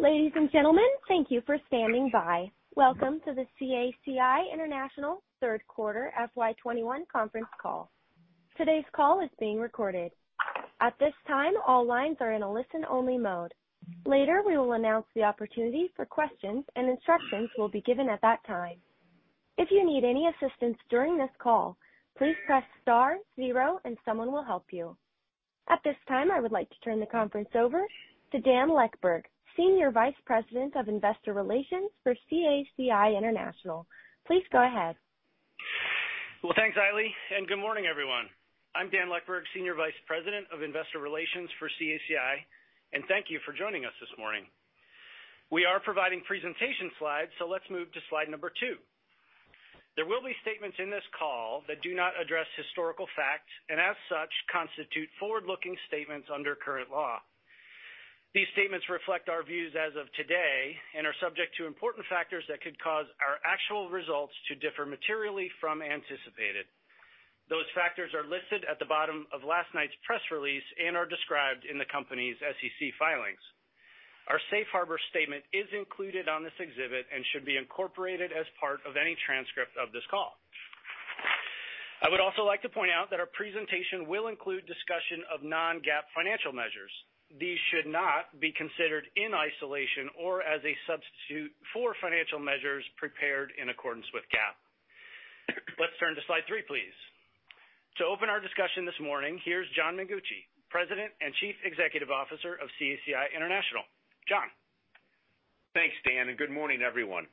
Ladies and gentlemen, thank you for standing by. Welcome to the CACI International Third Quarter FY 2021 Conference Call. Today's call is being recorded. At this time, all lines are in a listen-only mode. Later, we will announce the opportunity for questions, and instructions will be given at that time. If you need any assistance during this call, please press star, zero, and someone will help you. At this time, I would like to turn the conference over to Dan Leckburg, Senior Vice President of Investor Relations for CACI International. Please go ahead. Thanks, Eileen, and good morning, everyone. I'm Dan Leckburg, Senior Vice President of Investor Relations for CACI, and thank you for joining us this morning. We are providing presentation slides, so let's move to slide number two. There will be statements in this call that do not address historical facts and, as such, constitute forward-looking statements under current law. These statements reflect our views as of today and are subject to important factors that could cause our actual results to differ materially from anticipated. Those factors are listed at the bottom of last night's press release and are described in the company's SEC filings. Our safe harbor statement is included on this exhibit and should be incorporated as part of any transcript of this call. I would also like to point out that our presentation will include discussion of non-GAAP financial measures. These should not be considered in isolation or as a substitute for financial measures prepared in accordance with GAAP. Let's turn to slide three, please. To open our discussion this morning, here's John Mengucci, President and Chief Executive Officer of CACI International. John. Thanks, Dan, and good morning, everyone.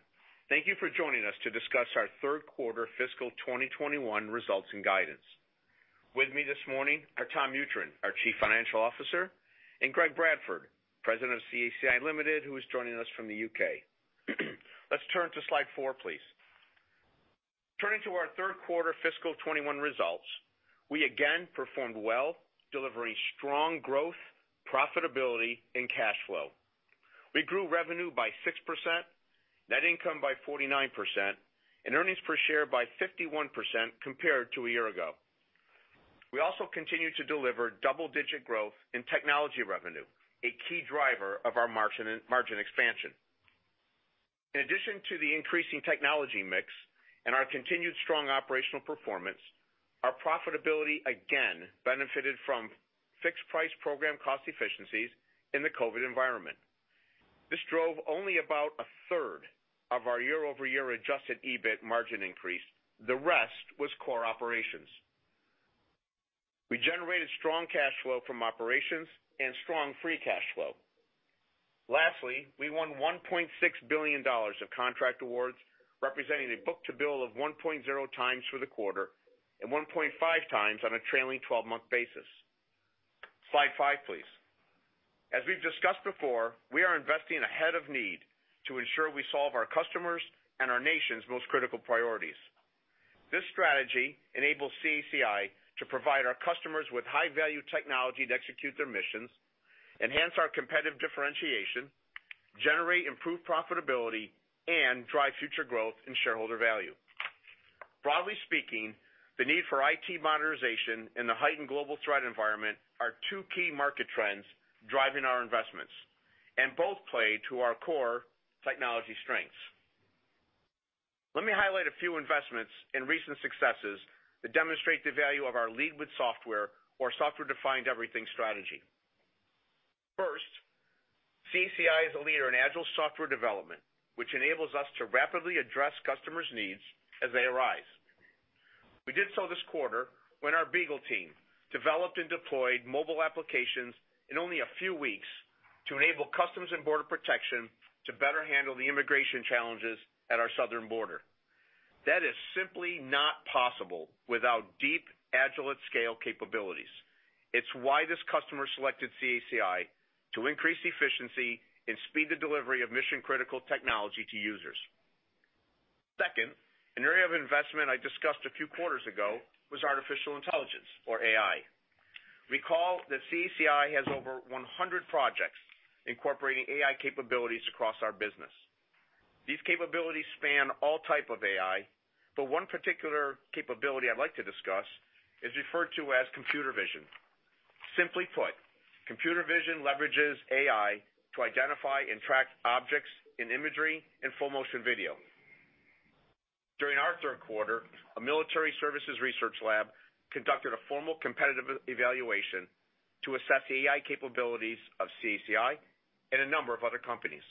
Thank you for joining us to discuss our third quarter fiscal 2021 results and guidance. With me this morning are Tom Mutryn, our Chief Financial Officer, and Greg Bradford, President of CACI Limited, who is joining us from the U.K. Let's turn to slide four, please. Turning to our third quarter fiscal 2021 results, we again performed well, delivering strong growth, profitability, and cash flow. We grew revenue by 6%, net income by 49%, and earnings per share by 51% compared to a year ago. We also continued to deliver double-digit growth in technology revenue, a key driver of our margin expansion. In addition to the increasing technology mix and our continued strong operational performance, our profitability again benefited from fixed-price program cost efficiencies in the COVID environment. This drove only about a third of our year-over-year adjusted EBIT margin increase. The rest was core operations. We generated strong cash flow from operations and strong free cash flow. Lastly, we won $1.6 billion of contract awards, representing a book-to-bill of 1.0 times for the quarter and 1.5 times on a trailing 12-month basis. Slide five, please. As we've discussed before, we are investing ahead of need to ensure we solve our customers' and our nation's most critical priorities. This strategy enables CACI to provide our customers with high-value technology to execute their missions, enhance our competitive differentiation, generate improved profitability, and drive future growth and shareholder value. Broadly speaking, the need for IT modernization and the heightened global threat environment are two key market trends driving our investments, and both play to our core technology strengths. Let me highlight a few investments and recent successes that demonstrate the value of our lead with software or software-defined everything strategy. First, CACI is a leader in Agile software development, which enables us to rapidly address customers' needs as they arise. We did so this quarter when our BEAGLE team developed and deployed mobile applications in only a few weeks to enable Customs and Border Protection to better handle the immigration challenges at our southern border. That is simply not possible without deep, Agile at scale capabilities. It's why this customer selected CACI to increase efficiency and speed the delivery of mission-critical technology to users. Second, an area of investment I discussed a few quarters ago was Artificial Intelligence, or AI. Recall that CACI has over 100 projects incorporating AI capabilities across our business. These capabilities span all types of AI, but one particular capability I'd like to discuss is referred to as computer vision. Simply put, computer vision leverages AI to identify and track objects in imagery and full-motion video. During our third quarter, a military services research lab conducted a formal competitive evaluation to assess AI capabilities of CACI and a number of other companies.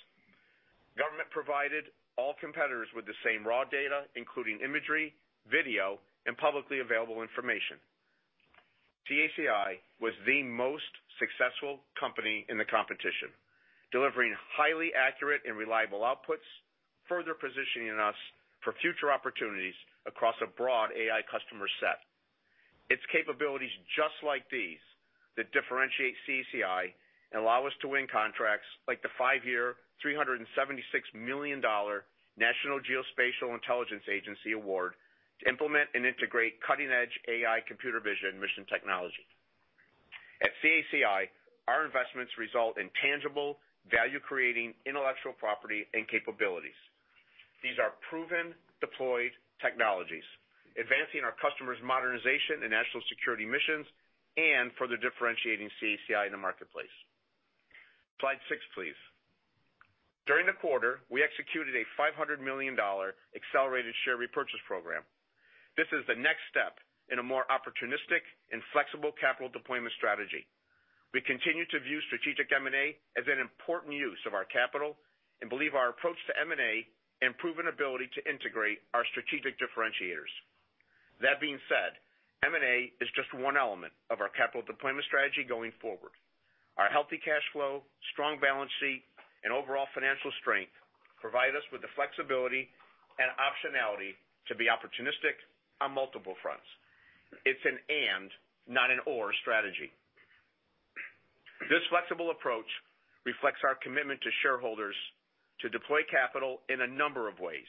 The government provided all competitors with the same raw data, including imagery, video, and publicly available information. CACI was the most successful company in the competition, delivering highly accurate and reliable outputs, further positioning us for future opportunities across a broad AI customer set. Its capabilities just like these that differentiate CACI and allow us to win contracts like the five-year, $376 million National Geospatial-Intelligence Agency award to implement and integrate cutting-edge AI computer vision mission technology. At CACI, our investments result in tangible, value-creating intellectual property and capabilities. These are proven, deployed technologies, advancing our customers' modernization and national security missions and further differentiating CACI in the marketplace. Slide six, please. During the quarter, we executed a $500 million accelerated share repurchase program. This is the next step in a more opportunistic and flexible capital deployment strategy. We continue to view strategic M&A as an important use of our capital and believe our approach to M&A and proven ability to integrate our strategic differentiators. That being said, M&A is just one element of our capital deployment strategy going forward. Our healthy cash flow, strong balance sheet, and overall financial strength provide us with the flexibility and optionality to be opportunistic on multiple fronts. It's an and, not an or strategy. This flexible approach reflects our commitment to shareholders to deploy capital in a number of ways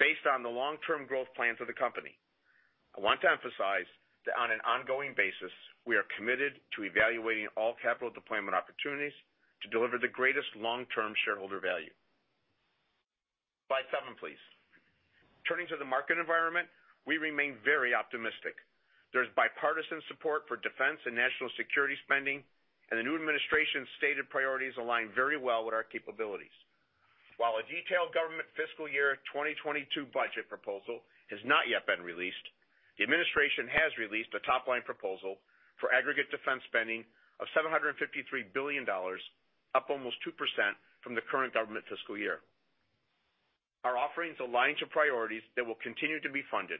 based on the long-term growth plans of the company. I want to emphasize that on an ongoing basis, we are committed to evaluating all capital deployment opportunities to deliver the greatest long-term shareholder value. Slide seven, please. Turning to the market environment, we remain very optimistic. There is bipartisan support for defense and national security spending, and the new administration's stated priorities align very well with our capabilities. While a detailed government fiscal year 2022 budget proposal has not yet been released, the administration has released a top-line proposal for aggregate defense spending of $753 billion, up almost 2% from the current government fiscal year. Our offerings align to priorities that will continue to be funded,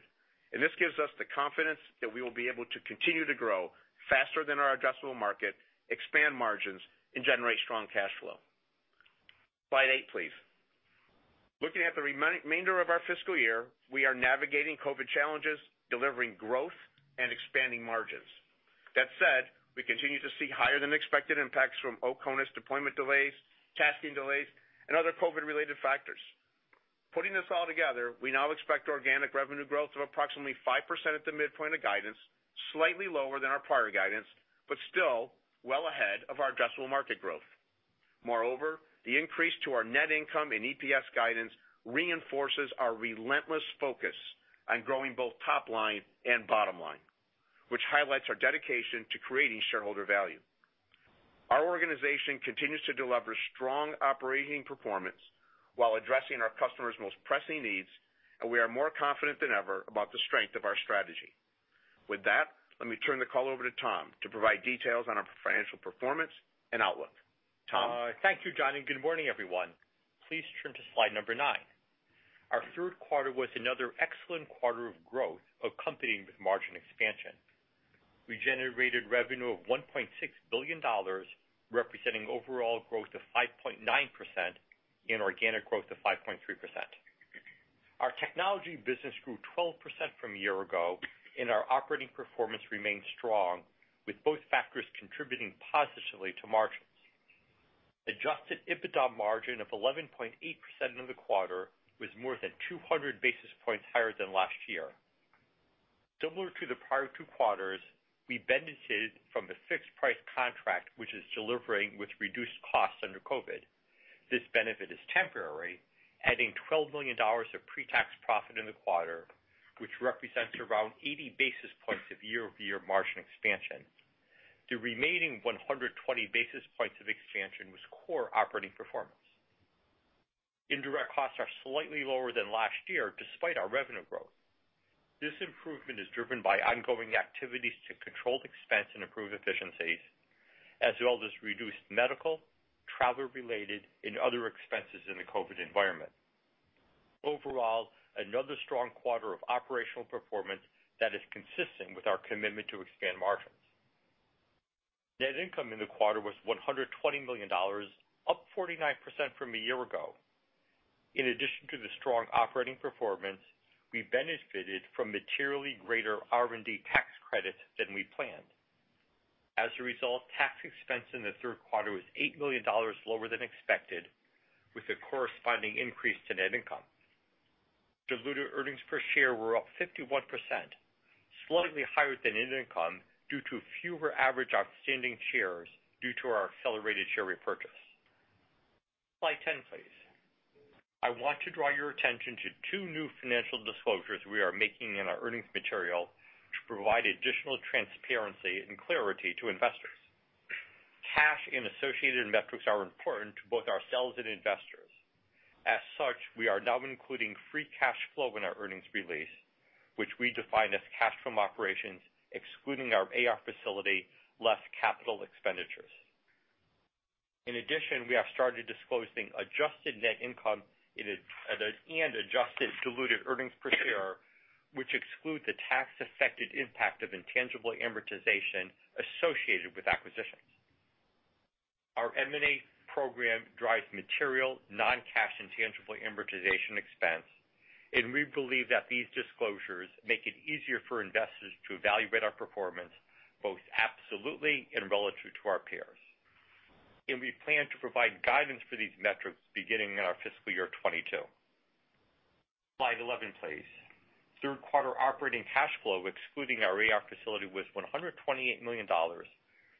and this gives us the confidence that we will be able to continue to grow faster than our addressable market, expand margins, and generate strong cash flow. Slide eight, please. Looking at the remainder of our fiscal year, we are navigating COVID challenges, delivering growth, and expanding margins. That said, we continue to see higher-than-expected impacts from OCONUS deployment delays, tasking delays, and other COVID-related factors. Putting this all together, we now expect organic revenue growth of approximately 5% at the midpoint of guidance, slightly lower than our prior guidance, but still well ahead of our addressable market growth. Moreover, the increase to our net income and EPS guidance reinforces our relentless focus on growing both top-line and bottom-line, which highlights our dedication to creating shareholder value. Our organization continues to deliver strong operating performance while addressing our customers' most pressing needs, and we are more confident than ever about the strength of our strategy. With that, let me turn the call over to Tom to provide details on our financial performance and outlook. Tom. Thank you, John, and good morning, everyone. Please turn to slide number nine. Our third quarter was another excellent quarter of growth, accompanied with margin expansion. We generated revenue of $1.6 billion, representing overall growth of 5.9% and organic growth of 5.3%. Our technology business grew 12% from a year ago, and our operating performance remained strong, with both factors contributing positively to margins. Adjusted EBITDA margin of 11.8% in the quarter was more than 200 basis points higher than last year. Similar to the prior two quarters, we benefited from the fixed-price contract, which is delivering with reduced costs under COVID. This benefit is temporary, adding $12 million of pre-tax profit in the quarter, which represents around 80 basis points of year-over-year margin expansion. The remaining 120 basis points of expansion was core operating performance. Indirect costs are slightly lower than last year, despite our revenue growth. This improvement is driven by ongoing activities to control expense and improve efficiencies, as well as reduced medical, travel-related, and other expenses in the COVID environment. Overall, another strong quarter of operational performance that is consistent with our commitment to expand margins. Net income in the quarter was $120 million, up 49% from a year ago. In addition to the strong operating performance, we benefited from materially greater R&D tax credits than we planned. As a result, tax expense in the third quarter was $8 million lower than expected, with a corresponding increase to net income. Diluted earnings per share were up 51%, slightly higher than net income due to fewer average outstanding shares due to our accelerated share repurchase. Slide 10, please. I want to draw your attention to two new financial disclosures we are making in our earnings material to provide additional transparency and clarity to investors. Cash and associated metrics are important to both ourselves and investors. As such, we are now including free cash flow in our earnings release, which we define as cash from operations, excluding our AR facility, less capital expenditures. In addition, we have started disclosing adjusted net income and adjusted diluted earnings per share, which exclude the tax-affected impact of intangible amortization associated with acquisitions. Our M&A program drives material, non-cash intangible amortization expense, and we believe that these disclosures make it easier for investors to evaluate our performance both absolutely and relative to our peers, and we plan to provide guidance for these metrics beginning in our fiscal year 2022. Slide 11, please. Third quarter operating cash flow, excluding our AR facility, was $128 million,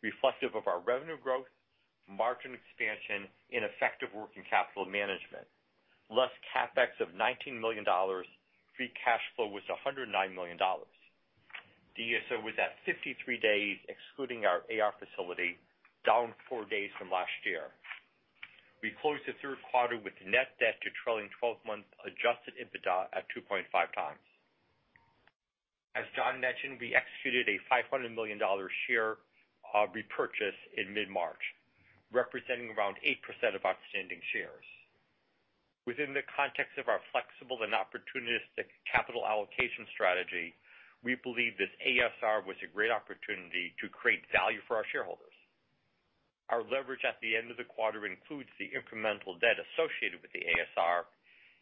reflective of our revenue growth, margin expansion, and effective working capital management. Less CapEx of $19 million, free cash flow was $109 million. DSO was at 53 days, excluding our AR facility, down four days from last year. We closed the third quarter with net debt to trailing 12-month adjusted EBITDA at 2.5 times. As John mentioned, we executed a $500 million share repurchase in mid-March, representing around 8% of outstanding shares. Within the context of our flexible and opportunistic capital allocation strategy, we believe this ASR was a great opportunity to create value for our shareholders. Our leverage at the end of the quarter includes the incremental debt associated with the ASR,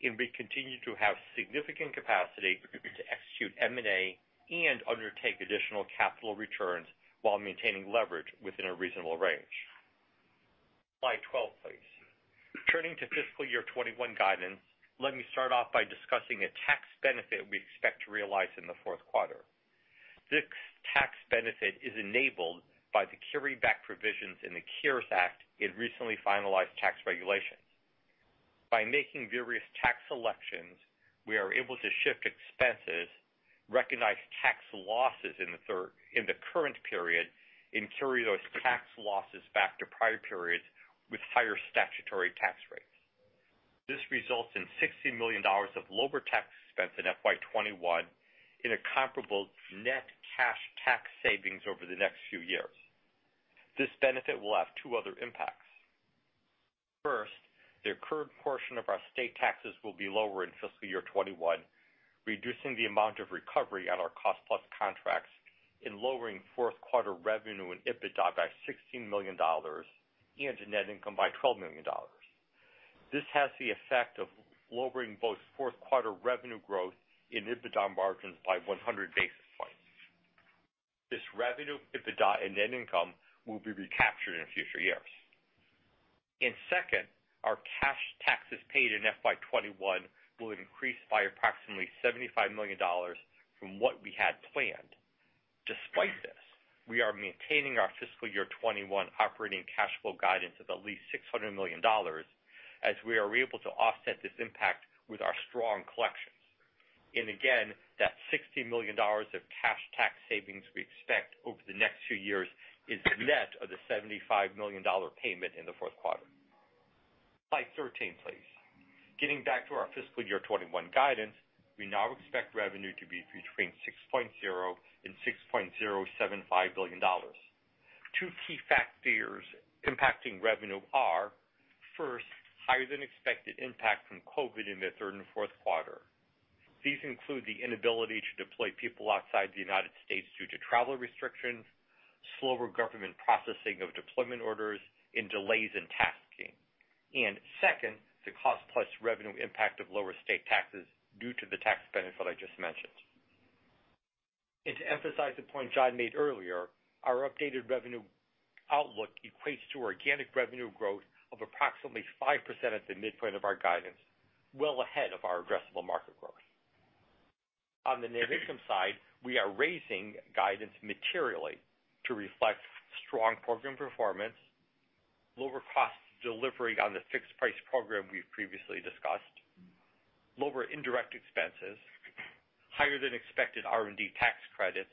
and we continue to have significant capacity to execute M&A and undertake additional capital returns while maintaining leverage within a reasonable range. Slide 12, please. Turning to fiscal year 2021 guidance, let me start off by discussing a tax benefit we expect to realize in the fourth quarter. This tax benefit is enabled by the carryback provisions in the CARES Act and recently finalized tax regulations. By making various tax selections, we are able to shift expenses, recognize tax losses in the current period, and carry those tax losses back to prior periods with higher statutory tax rates. This results in $60 million of lower tax expense in FY 2021 and a comparable net cash tax savings over the next few years. This benefit will have two other impacts. First, the current portion of our state taxes will be lower in fiscal year 2021, reducing the amount of recovery on our cost-plus contracts and lowering fourth quarter revenue and EBITDA by $16 million and net income by $12 million. This has the effect of lowering both fourth quarter revenue growth and EBITDA margins by 100 basis points. This revenue, EBITDA, and net income will be recaptured in future years. And second, our cash taxes paid in FY 2021 will increase by approximately $75 million from what we had planned. Despite this, we are maintaining our fiscal year 2021 operating cash flow guidance of at least $600 million as we are able to offset this impact with our strong collections. And again, that $60 million of cash tax savings we expect over the next few years is net of the $75 million payment in the fourth quarter. Slide 13, please. Getting back to our fiscal year 2021 guidance, we now expect revenue to be between $6.0 and $6.075 billion. Two key factors impacting revenue are, first, higher-than-expected impact from COVID in the third and fourth quarter. These include the inability to deploy people outside the United States due to travel restrictions, slower government processing of deployment orders, and delays in tasking, and second, the cost-plus revenue impact of lower state taxes due to the tax benefit I just mentioned, and to emphasize the point John made earlier, our updated revenue outlook equates to organic revenue growth of approximately 5% at the midpoint of our guidance, well ahead of our addressable market growth. On the net income side, we are raising guidance materially to reflect strong program performance, lower cost delivery on the fixed-price program we've previously discussed, lower indirect expenses, higher-than-expected R&D tax credits,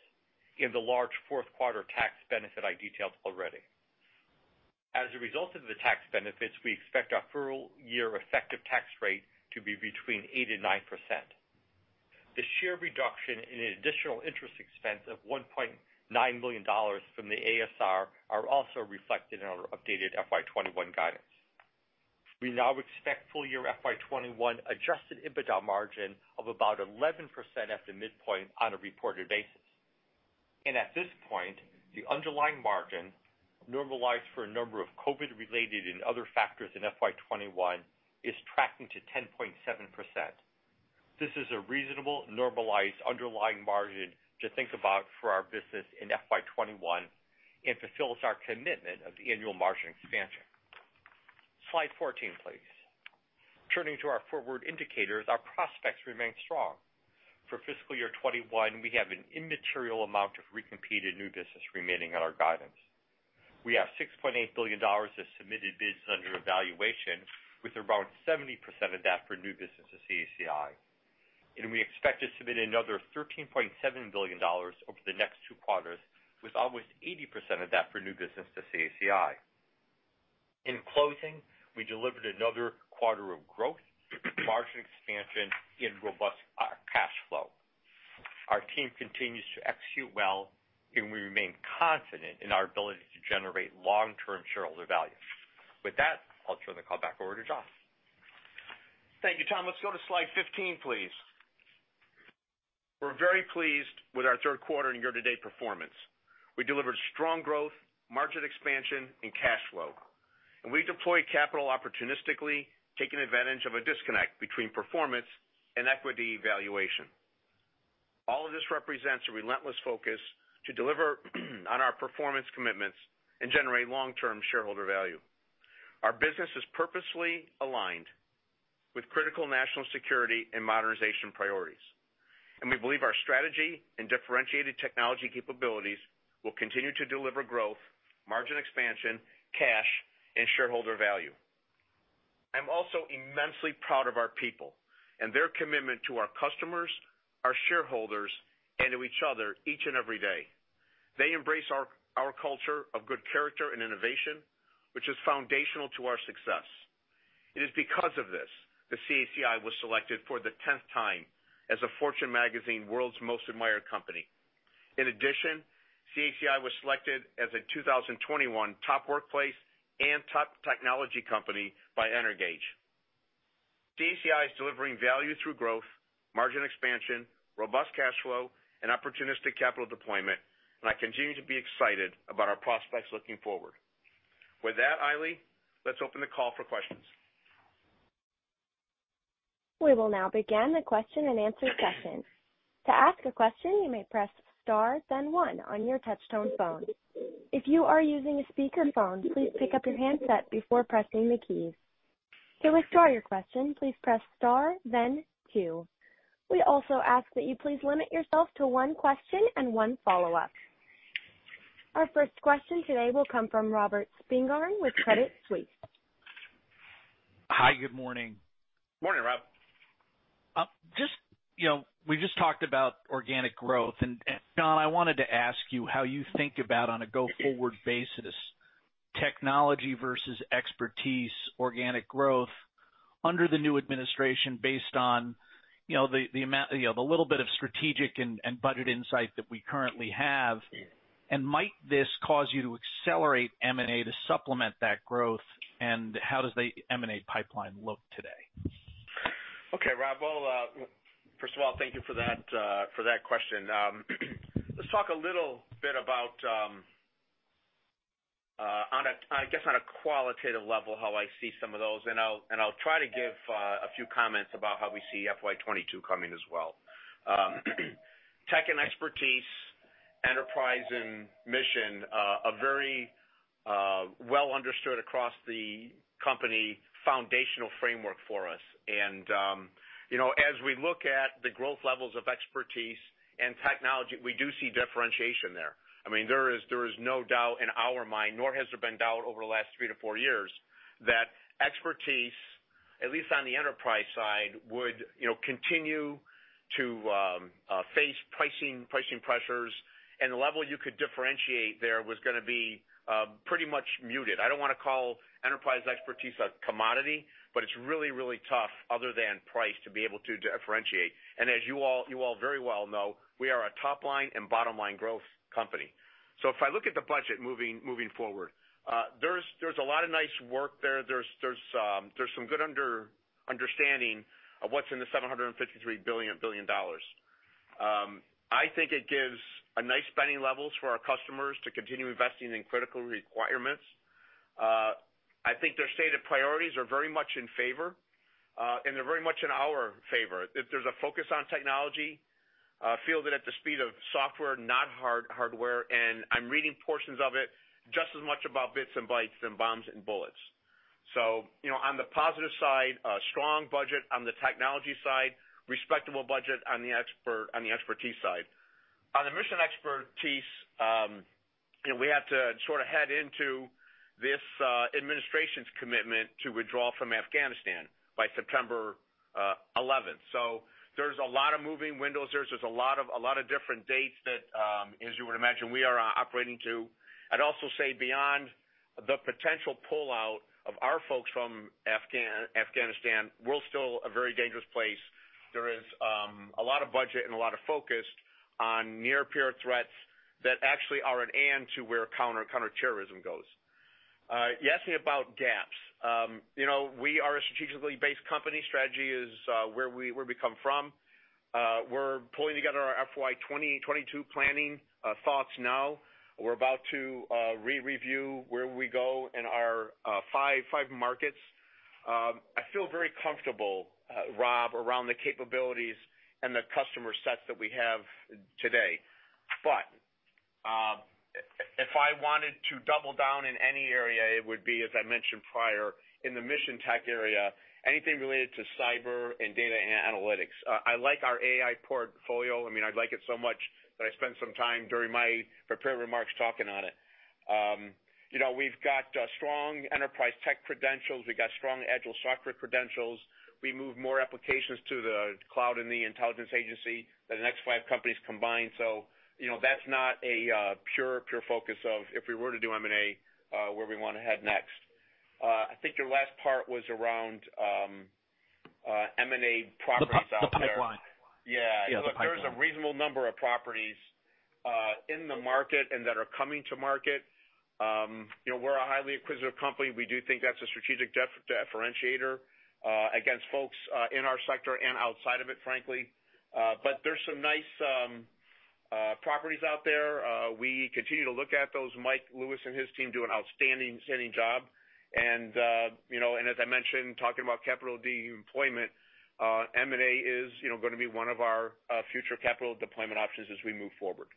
and the large fourth quarter tax benefit I detailed already. As a result of the tax benefits, we expect our full-year effective tax rate to be between 8%-9%. The share reduction and additional interest expense of $1.9 million from the ASR are also reflected in our updated FY 2021 guidance. We now expect full-year FY 2021 adjusted EBITDA margin of about 11% at the midpoint on a reported basis, and at this point, the underlying margin, normalized for a number of COVID-related and other factors in FY 2021, is tracking to 10.7%. This is a reasonable, normalized underlying margin to think about for our business in FY 2021 and fulfills our commitment of the annual margin expansion. Slide 14, please. Turning to our forward indicators, our prospects remain strong. For fiscal year 2021, we have an immaterial amount of recompeted new business remaining on our guidance. We have $6.8 billion of submitted bids under evaluation, with around 70% of that for new business to CACI. And we expect to submit another $13.7 billion over the next two quarters, with almost 80% of that for new business to CACI. In closing, we delivered another quarter of growth, margin expansion, and robust cash flow. Our team continues to execute well, and we remain confident in our ability to generate long-term shareholder value. With that, I'll turn the call back over to John. Thank you, Tom. Let's go to slide 15, please. We're very pleased with our third quarter and year-to-date performance. We delivered strong growth, margin expansion, and cash flow. And we deployed capital opportunistically, taking advantage of a disconnect between performance and equity valuation. All of this represents a relentless focus to deliver on our performance commitments and generate long-term shareholder value. Our business is purposely aligned with critical national security and modernization priorities. And we believe our strategy and differentiated technology capabilities will continue to deliver growth, margin expansion, cash, and shareholder value. I'm also immensely proud of our people and their commitment to our customers, our shareholders, and to each other each and every day. They embrace our culture of good character and innovation, which is foundational to our success. It is because of this that CACI was selected for the 10th time as a Fortune Magazine World's Most Admired Company. In addition, CACI was selected as a 2021 Top Workplace and Top Technology Company by Energage. CACI is delivering value through growth, margin expansion, robust cash flow, and opportunistic capital deployment, and I continue to be excited about our prospects looking forward. With that, Eileen, let's open the call for questions. We will now begin the question-and-answer session. To ask a question, you may press star, then one on your touch-tone phone. If you are using a speakerphone, please pick up your handset before pressing the keys. To withdraw your question, please press star, then two. We also ask that you please limit yourself to one question and one follow-up. Our first question today will come from Robert Spingarn with Credit Suisse. Hi, good morning. Morning, Rob. We just talked about organic growth. And John, I wanted to ask you how you think about, on a go-forward basis, technology versus expertise, organic growth under the new administration based on the amount, the little bit of strategic and budget insight that we currently have. And might this cause you to accelerate M&A to supplement that growth? And how does the M&A pipeline look today? Okay, Rob, well, first of all, thank you for that question. Let's talk a little bit about, I guess, on a qualitative level, how I see some of those, and I'll try to give a few comments about how we see FY 2022 coming as well. Tech and expertise, enterprise, and mission, a very well-understood, across the company, foundational framework for us. And as we look at the growth levels of expertise and technology, we do see differentiation there. I mean, there is no doubt in our mind, nor has there been doubt over the last three to four years, that expertise, at least on the enterprise side, would continue to face pricing pressures, and the level you could differentiate there was going to be pretty much muted. I don't want to call enterprise expertise a commodity, but it's really, really tough, other than price, to be able to differentiate. And as you all very well know, we are a top-line and bottom-line growth company. So if I look at the budget moving forward, there's a lot of nice work there. There's some good understanding of what's in the $753 billion. I think it gives nice spending levels for our customers to continue investing in critical requirements. I think their stated priorities are very much in favor, and they're very much in our favor. There's a focus on technology, fielded at the speed of software, not hardware. And I'm reading portions of it just as much about bits and bytes than bombs and bullets. So on the positive side, a strong budget on the technology side, respectable budget on the expertise side. On the mission expertise, we have to sort of head into this administration's commitment to withdraw from Afghanistan by September 11th. So there's a lot of moving windows there. There's a lot of different dates that, as you would imagine, we are operating to. I'd also say beyond the potential pullout of our folks from Afghanistan, we're still a very dangerous place. There is a lot of budget and a lot of focus on near-peer threats that actually are an end to where counterterrorism goes. You asked me about gaps. We are a strategically based company. Strategy is where we come from. We're pulling together our FY 2022 planning thoughts now. We're about to re-review where we go in our five markets. I feel very comfortable, Rob, around the capabilities and the customer sets that we have today. But if I wanted to double down in any area, it would be, as I mentioned prior, in the mission tech area, anything related to cyber and data analytics. I like our AI portfolio. I mean, I'd like it so much that I spent some time during my prepared remarks talking about it. We've got strong enterprise tech credentials. We've got strong agile software credentials. We move more applications to the cloud in the intelligence agency than the next five companies combined. So that's not a pure focus, if we were to do M&A, where we want to head next. I think your last part was around M&A priorities. That's the pipeline. Yeah. There's a reasonable number of properties in the market and that are coming to market. We're a highly inquisitive company. We do think that's a strategic differentiator against folks in our sector and outside of it, frankly. But there's some nice properties out there. We continue to look at those. Mike Lewis and his team do an outstanding job. And as I mentioned, talking about capital deployment, M&A is going to be one of our future capital deployment options as we move forward.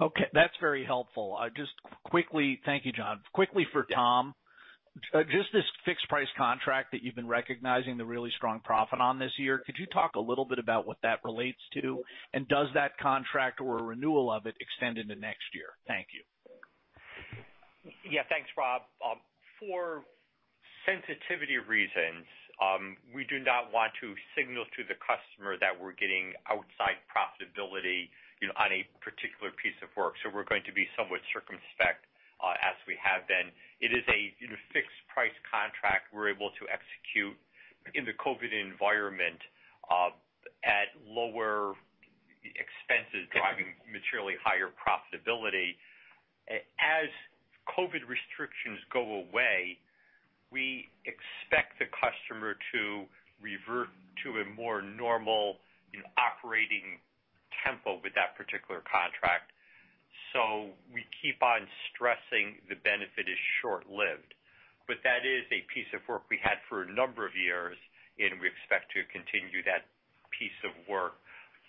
Okay. That's very helpful. Just quickly, thank you, John. Quickly for Tom, just this fixed-price contract that you've been recognizing the really strong profit on this year, could you talk a little bit about what that relates to? And does that contract or a renewal of it extend into next year? Thank you. Yeah. Thanks, Rob. For sensitivity reasons, we do not want to signal to the customer that we're getting outside profitability on a particular piece of work. So we're going to be somewhat circumspect as we have been. It is a fixed-price contract we're able to execute in the COVID environment at lower expenses driving materially higher profitability. As COVID restrictions go away, we expect the customer to revert to a more normal operating tempo with that particular contract. So we keep on stressing the benefit is short-lived. But that is a piece of work we had for a number of years, and we expect to continue that piece of work,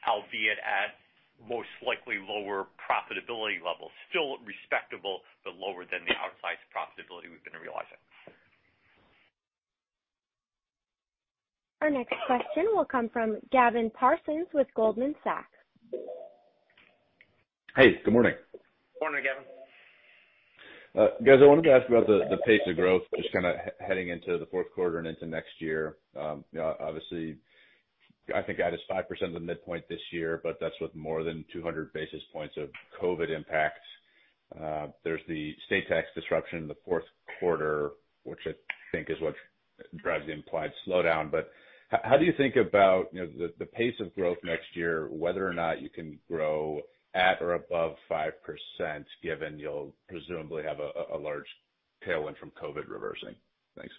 albeit at most likely lower profitability levels. Still respectable, but lower than the outsized profitability we've been realizing. Our next question will come from Gavin Parsons with Goldman Sachs. Hey, good morning. Good morning, Gavin. Guys, I wanted to ask about the pace of growth, just kind of heading into the fourth quarter and into next year. Obviously, I think that is 5% of the midpoint this year, but that's with more than 200 basis points of COVID impacts. There's the state tax disruption in the fourth quarter, which I think is what drives the implied slowdown, but how do you think about the pace of growth next year, whether or not you can grow at or above 5%, given you'll presumably have a large tailwind from COVID reversing things?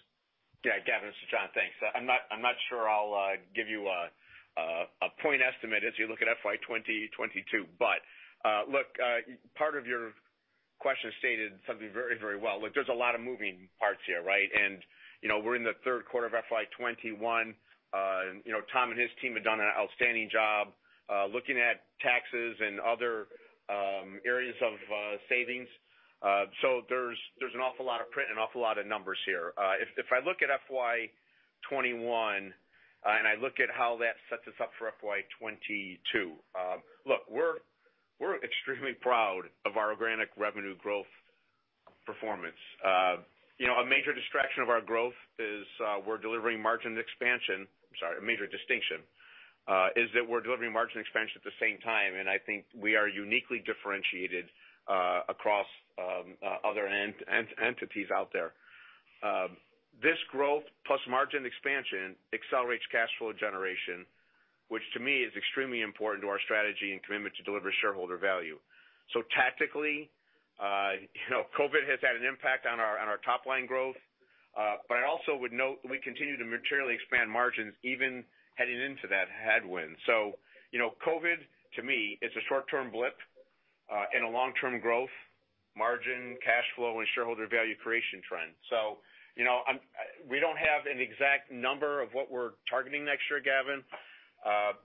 Yeah. Gavin, this is John. Thanks. I'm not sure I'll give you a point estimate as you look at FY 2022. But look, part of your question stated something very, very well. Look, there's a lot of moving parts here, right? And we're in the third quarter of FY 2021. Tom and his team have done an outstanding job looking at taxes and other areas of savings. So there's an awful lot of print and an awful lot of numbers here. If I look at FY 2021 and I look at how that sets us up for FY 2022, look, we're extremely proud of our organic revenue growth performance. A major distraction of our growth is we're delivering margin expansion. I'm sorry, a major distinction is that we're delivering margin expansion at the same time. And I think we are uniquely differentiated across other entities out there. This growth plus margin expansion accelerates cash flow generation, which to me is extremely important to our strategy and commitment to deliver shareholder value. So tactically, COVID has had an impact on our top-line growth. But I also would note we continue to materially expand margins even heading into that headwind. So COVID, to me, is a short-term blip in a long-term growth margin, cash flow, and shareholder value creation trend. So we don't have an exact number of what we're targeting next year, Gavin.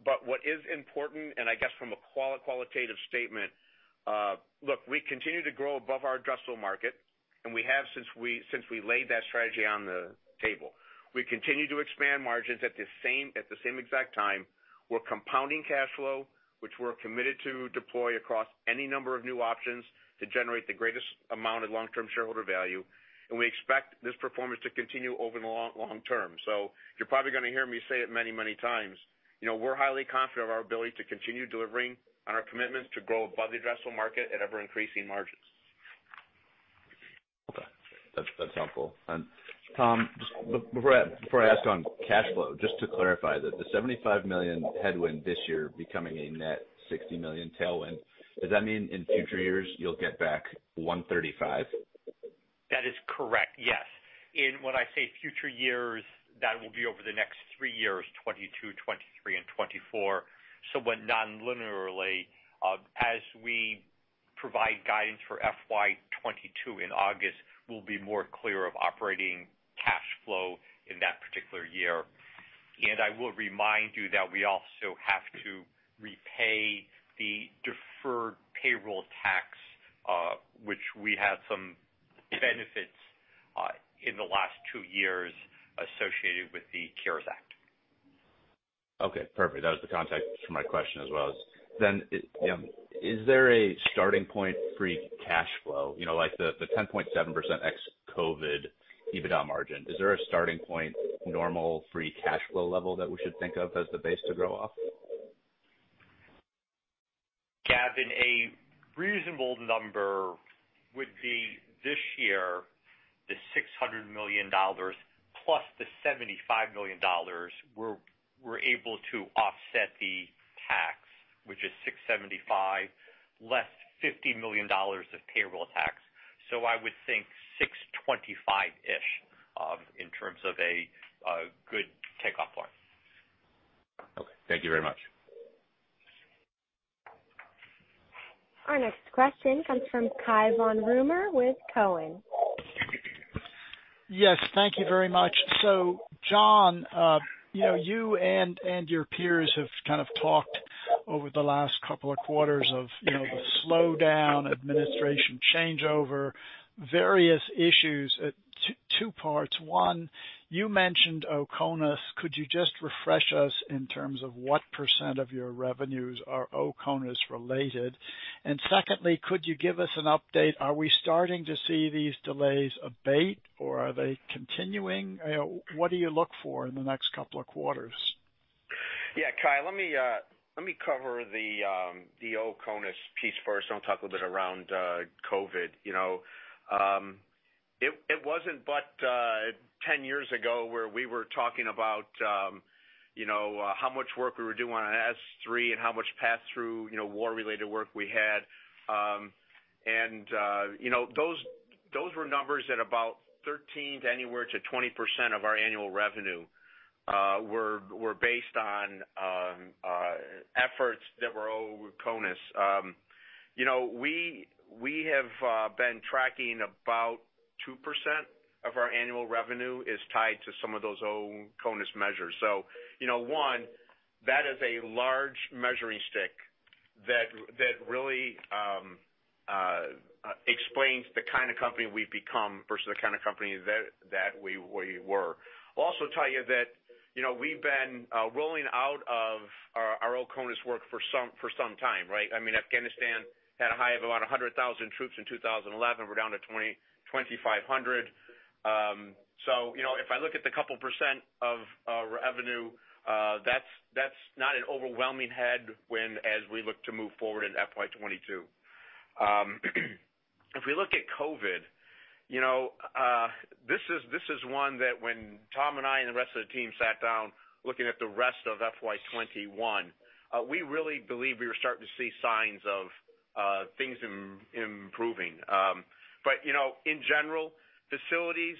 But what is important, and I guess from a qualitative statement, look, we continue to grow above our addressable market, and we have since we laid that strategy on the table. We continue to expand margins at the same exact time. We're compounding cash flow, which we're committed to deploy across any number of new options to generate the greatest amount of long-term shareholder value. We expect this performance to continue over the long term. You're probably going to hear me say it many, many times. We're highly confident of our ability to continue delivering on our commitments to grow above the addressable market at ever-increasing margins. Okay. That's helpful. And Tom, just before I ask on cash flow, just to clarify that the $75 million headwind this year becoming a net $60 million tailwind, does that mean in future years you'll get back 135? That is correct. Yes. In the, say, future years, that will be over the next three years, 2022, 2023, and 2024. So non-linearly, as we provide guidance for FY 2022 in August, we'll be more clear on operating cash flow in that particular year. And I will remind you that we also have to repay the deferred payroll tax, which we had some benefits in the last two years associated with the CARES Act. Okay. Perfect. That was the context for my question as well. Then is there a starting point free cash flow, like the 10.7% ex-COVID EBITDA margin? Is there a starting point normal free cash flow level that we should think of as the base to grow off? Gavin, a reasonable number would be this year, the $600 million plus the $75 million. We're able to offset the tax, which is 675, less $50 million of payroll tax. So I would think 625-ish in terms of a good takeoff point. Okay. Thank you very much. Our next question comes from Cai von Rumohr with Cowen. Yes. Thank you very much. So John, you and your peers have kind of talked over the last couple of quarters about the slowdown, administration changeover, various issues. Two parts. One, you mentioned OCONUS. Could you just refresh us in terms of what % of your revenues are OCONUS related? And secondly, could you give us an update? Are we starting to see these delays abate, or are they continuing? What do you look for in the next couple of quarters? Yeah. Kai, let me cover the OCONUS piece first. I'll talk a little bit around COVID. It wasn't but 10 years ago where we were talking about how much work we were doing on S3 and how much pass-through war-related work we had. And those were numbers that about 13% to anywhere to 20% of our annual revenue were based on efforts that were OCONUS. We have been tracking about 2% of our annual revenue is tied to some of those OCONUS measures. So one, that is a large measuring stick that really explains the kind of company we've become versus the kind of company that we were. I'll also tell you that we've been rolling out of our OCONUS work for some time, right? I mean, Afghanistan had a high of about 100,000 troops in 2011. We're down to 2,500. So if I look at the couple percent of revenue, that's not an overwhelming headwind as we look to move forward in FY 2022. If we look at COVID, this is one that when Tom and I and the rest of the team sat down looking at the rest of FY 2021, we really believe we were starting to see signs of things improving. But in general, facilities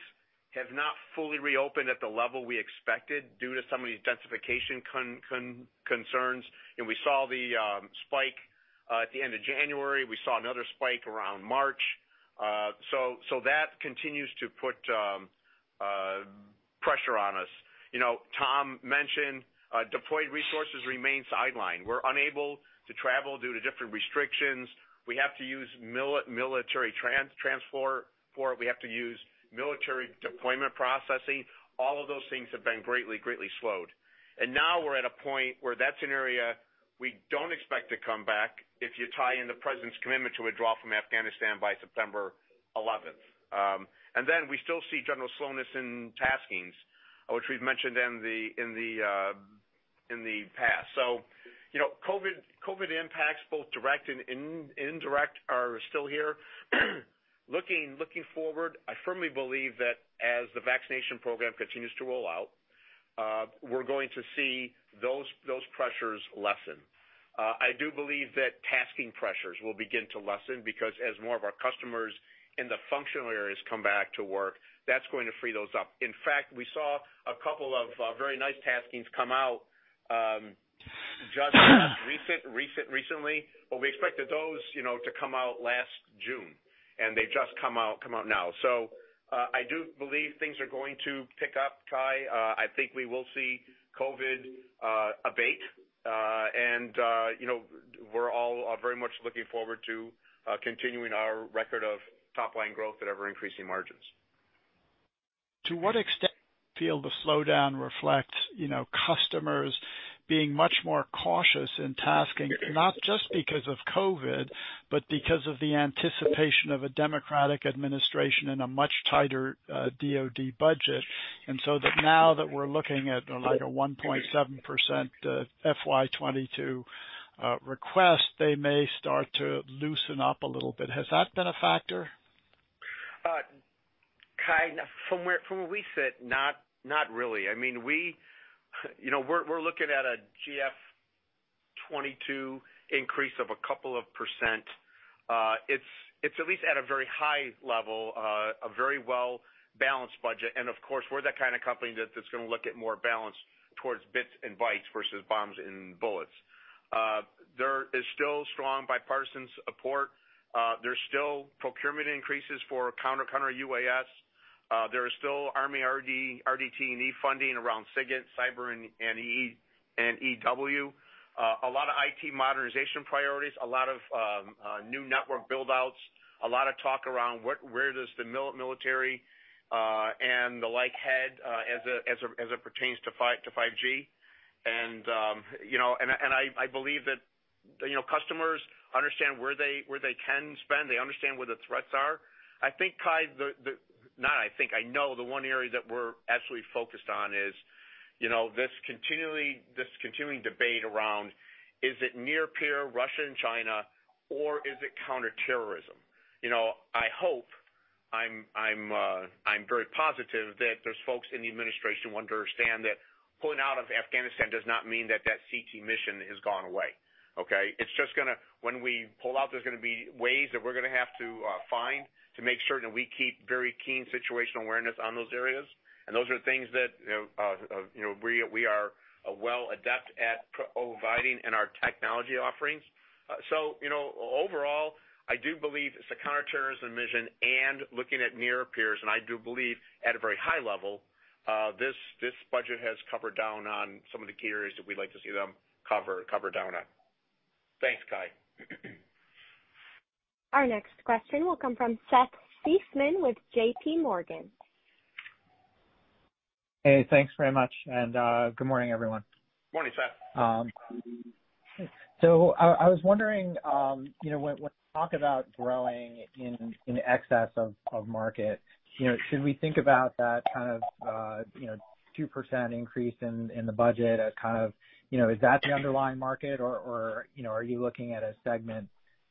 have not fully reopened at the level we expected due to some of these densification concerns. And we saw the spike at the end of January. We saw another spike around March. So that continues to put pressure on us. Tom mentioned deployed resources remain sidelined. We're unable to travel due to different restrictions. We have to use military transport. We have to use military deployment processing. All of those things have been greatly, greatly slowed. And now we're at a point where that's an area we don't expect to come back if you tie in the president's commitment to withdraw from Afghanistan by September 11th. And then we still see general slowness in taskings, which we've mentioned in the past. So COVID impacts, both direct and indirect, are still here. Looking forward, I firmly believe that as the vaccination program continues to roll out, we're going to see those pressures lessen. I do believe that tasking pressures will begin to lessen because as more of our customers in the functional areas come back to work, that's going to free those up. In fact, we saw a couple of very nice taskings come out just recently, but we expected those to come out last June. And they've just come out now. So I do believe things are going to pick up, Cai. I think we will see COVID abate, and we're all very much looking forward to continuing our record of top-line growth at ever-increasing margins. To what extent do you feel the slowdown reflects customers being much more cautious in tasking, not just because of COVID, but because of the anticipation of a Democratic administration and a much tighter DOD budget? And so now that we're looking at a 1.7% FY 2022 request, they may start to loosen up a little bit. Has that been a factor? Kind of. From what we said, not really. I mean, we're looking at a FY 2022 increase of a couple of %. It's at least at a very high level, a very well-balanced budget. And of course, we're that kind of company that's going to look at more balance towards bits and bytes versus bombs and bullets. There is still strong bipartisan support. There's still procurement increases for counter-UAS. There is still Army RDT&E funding around SIGINT, Cyber, and EW. A lot of IT modernization priorities, a lot of new network buildouts, a lot of talk around where does the military and the like head as it pertains to 5G. And I believe that customers understand where they can spend. They understand where the threats are. I think, Kai, not I think, I know the one area that we're absolutely focused on is this continuing debate around, is it near-peer Russia and China, or is it counter-terrorism? I hope, I'm very positive that there's folks in the administration who understand that pulling out of Afghanistan does not mean that that CT mission has gone away, okay? It's just going to, when we pull out, there's going to be ways that we're going to have to find to make certain that we keep very keen situational awareness on those areas. And those are things that we are well adept at providing in our technology offerings. So overall, I do believe it's a counter-terrorism mission and looking at near-peers. And I do believe at a very high level, this budget has covered down on some of the key areas that we'd like to see them cover down on. Thanks, Kai. Our next question will come from Seth Seifman with J.P. Morgan. Hey, thanks very much and good morning, everyone. Good morning, Seth. I was wondering, when we talk about growing in excess of market, should we think about that kind of 2% increase in the budget as kind of, is that the underlying market, or are you looking at a segment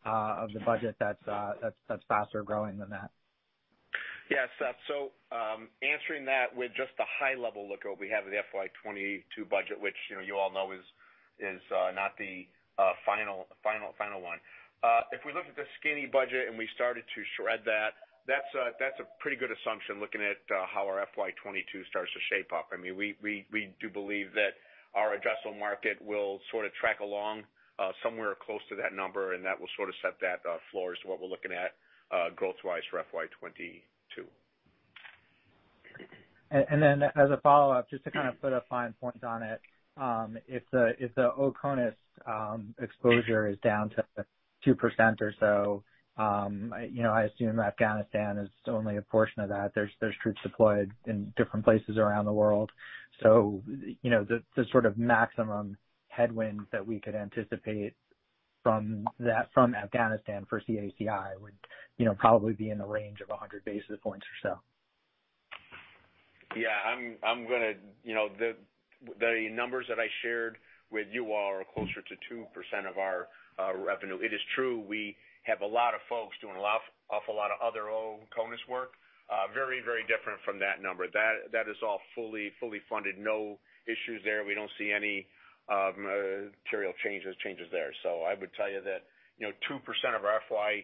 of the budget that's faster growing than that? Yes, Seth. So answering that with just the high-level look at what we have in the FY 2022 budget, which you all know is not the final one. If we look at the skinny budget and we started to shred that, that's a pretty good assumption looking at how our FY 2022 starts to shape up. I mean, we do believe that our addressable market will sort of track along somewhere close to that number, and that will sort of set that floor as to what we're looking at growth-wise for FY 2022. And then as a follow-up, just to kind of put a fine point on it, if the OCONUS exposure is down to 2% or so, I assume Afghanistan is only a portion of that. There's troops deployed in different places around the world. So the sort of maximum headwind that we could anticipate from Afghanistan for CACI would probably be in the range of 100 basis points or so. Yeah. The numbers that I shared with you all are closer to 2% of our revenue. It is true. We have a lot of folks doing an awful lot of other OCONUS work, very, very different from that number. That is all fully funded. No issues there. We don't see any material changes there, so I would tell you that 2% of our FY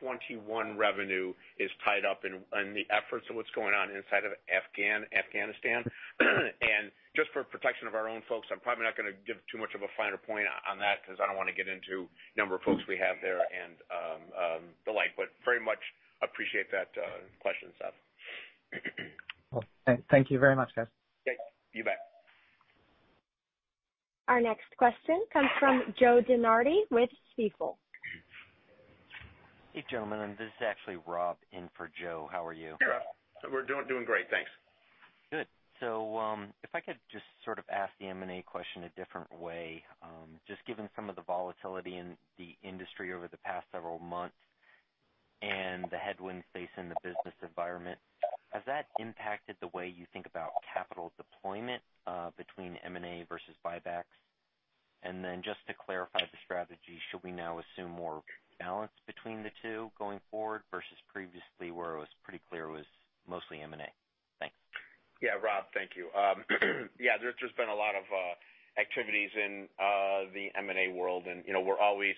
2021 revenue is tied up in the efforts of what's going on inside of Afghanistan, and just for protection of our own folks, I'm probably not going to give too much of a finer point on that because I don't want to get into the number of folks we have there and the like, but very much appreciate that question, Seth. Thank you very much, guys. You bet. Our next question comes from Joe DeNardi with Stifel. Hey, gentlemen. This is actually Rob in for Joe. How are you? We're doing great. Thanks. Good. So if I could just sort of ask the M&A question a different way, just given some of the volatility in the industry over the past several months and the headwinds facing the business environment, has that impacted the way you think about capital deployment between M&A versus buybacks? And then just to clarify the strategy, should we now assume more balance between the two going forward versus previously where it was pretty clear it was mostly M&A? Thanks. Yeah, Rob, thank you. Yeah, there's been a lot of activities in the M&A world, and we're always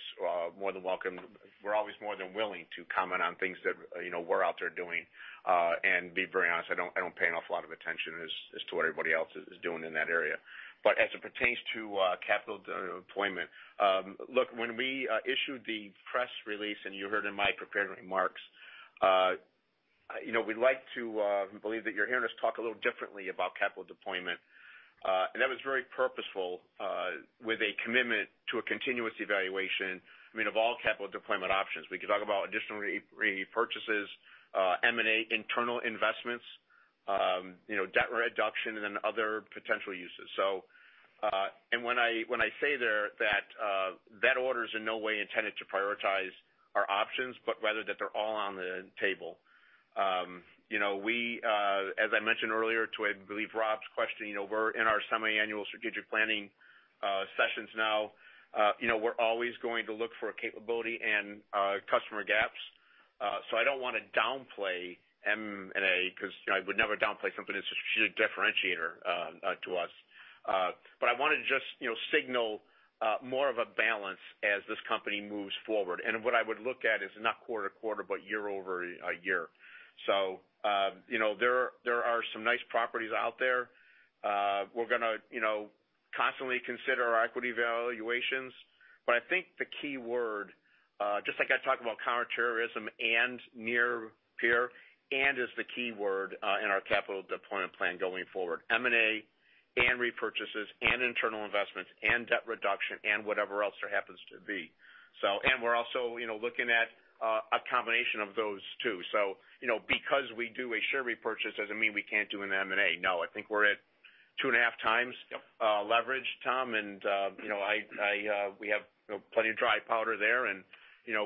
more than welcome. We're always more than willing to comment on things that we're out there doing. And to be very honest, I don't pay an awful lot of attention as to what everybody else is doing in that area. But as it pertains to capital deployment, look, when we issued the press release, and you heard in my prepared remarks, we'd like to believe that you're hearing us talk a little differently about capital deployment. And that was very purposeful with a commitment to a continuous evaluation. I mean, of all capital deployment options, we could talk about additional repurchases, M&A internal investments, debt reduction, and then other potential uses. And when I say that, that order is in no way intended to prioritize our options, but rather that they're all on the table. As I mentioned earlier, to, I believe, Rob's question, we're in our semi-annual strategic planning sessions now. We're always going to look for capability and customer gaps. So I don't want to downplay M&A because I would never downplay something that's a strategic differentiator to us. But I wanted to just signal more of a balance as this company moves forward. And what I would look at is not quarter to quarter, but year over year. So there are some nice properties out there. We're going to constantly consider our equity valuations. But I think the key word, just like I talked about counter-terrorism and near-peer, and is the key word in our capital deployment plan going forward, M&A and repurchases and internal investments and debt reduction and whatever else there happens to be. And we're also looking at a combination of those too. So because we do a share repurchase doesn't mean we can't do an M&A. No, I think we're at two and a half times leverage, Tom. And we have plenty of dry powder there. And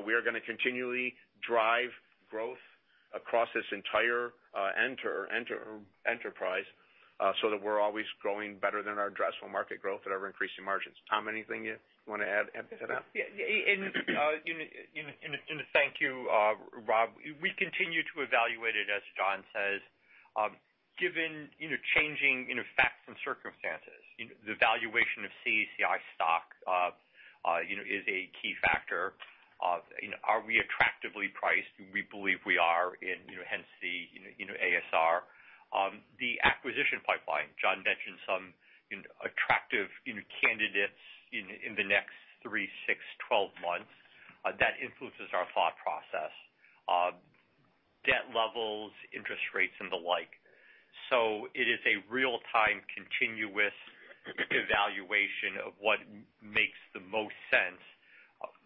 we are going to continually drive growth across this entire enterprise so that we're always growing better than our addressable market growth at ever-increasing margins. Tom, anything you want to add to that? Yeah. And thank you, Rob, we continue to evaluate it, as John says. Given changing facts and circumstances, the valuation of CACI stock is a key factor. Are we attractively priced? We believe we are, and hence the ASR. The acquisition pipeline. John mentioned some attractive candidates in the next three, six, 12 months. That influences our thought process, debt levels, interest rates, and the like. So it is a real-time continuous evaluation of what makes the most sense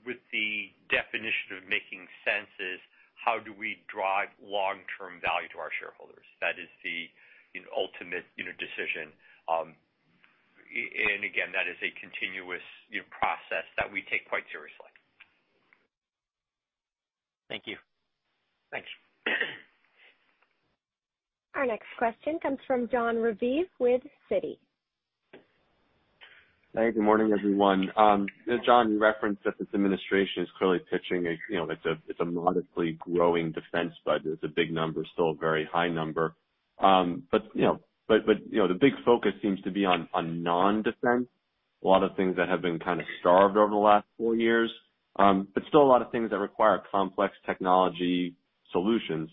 with the definition of making sense is how do we drive long-term value to our shareholders. That is the ultimate decision. And again, that is a continuous process that we take quite seriously. Thank you. Thanks. Our next question comes from Jon Raviv with Citi. Hey, good morning, everyone. John, you referenced that this administration is clearly pitching it as a modestly growing defense budget. It's a big number, still a very high number. But the big focus seems to be on non-defense, a lot of things that have been kind of starved over the last four years, but still a lot of things that require complex technology solutions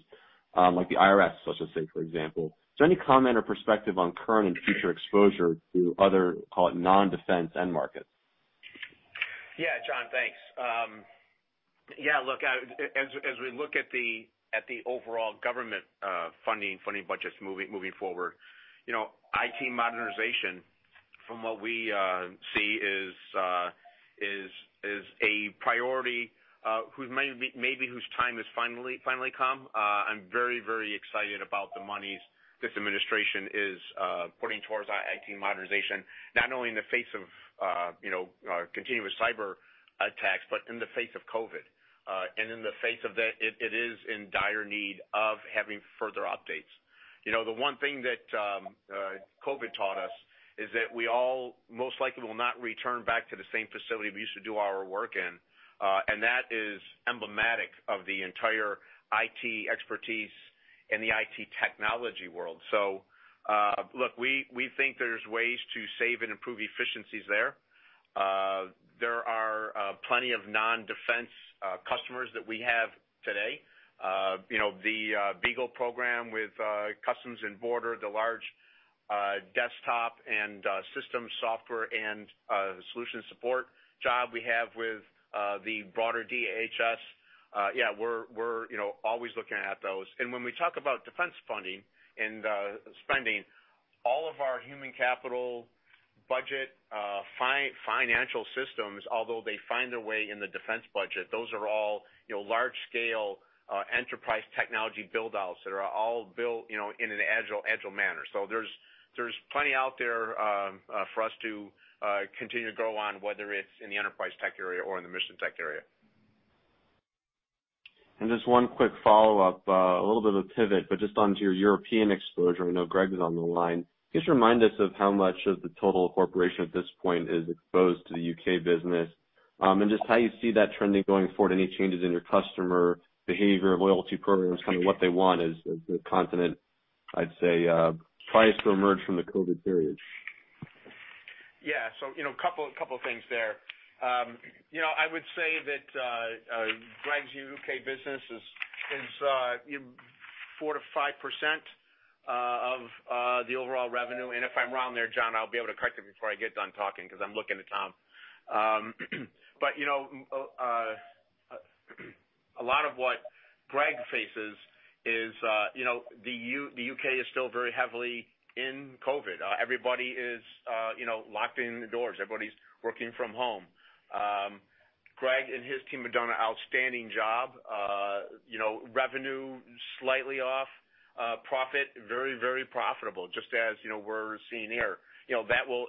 like the IRS, let's just say, for example. So any comment or perspective on current and future exposure to other, call it non-defense end markets? Yeah, John, thanks. Yeah, look, as we look at the overall government funding budgets moving forward, IT modernization, from what we see, is a priority maybe whose time has finally come. I'm very, very excited about the monies this administration is putting towards IT modernization, not only in the face of continuous cyber attacks, but in the face of COVID, and in the face of that, it is in dire need of having further updates. The one thing that COVID taught us is that we all most likely will not return back to the same facility we used to do our work in, and that is emblematic of the entire IT expertise and the IT technology world, so look, we think there's ways to save and improve efficiencies there. There are plenty of non-defense customers that we have today. The Beagle program with Customs and Border, the large desktop and system software and solution support job we have with the broader DHS. Yeah, we're always looking at those, and when we talk about defense funding and spending, all of our human capital budget financial systems, although they find their way in the defense budget, those are all large-scale enterprise technology buildouts that are all built in an agile manner, so there's plenty out there for us to continue to grow on, whether it's in the enterprise tech area or in the mission tech area. And just one quick follow-up, a little bit of a pivot, but just onto your European exposure. I know Greg is on the line. Just remind us of how much of the total corporation at this point is exposed to the U.K. business and just how you see that trending going forward, any changes in your customer behavior, loyalty programs, kind of what they want as the continent, I'd say, tries to emerge from the COVID period. Yeah. So a couple of things there. I would say that Greg's UK business is 4%-5% of the overall revenue. And if I'm wrong there, John, I'll be able to correct it before I get done talking because I'm looking at Tom. But a lot of what Greg faces is the UK is still very heavily in COVID. Everybody is locked in the doors. Everybody's working from home. Greg and his team have done an outstanding job. Revenue slightly off, profit very, very profitable, just as we're seeing here. That will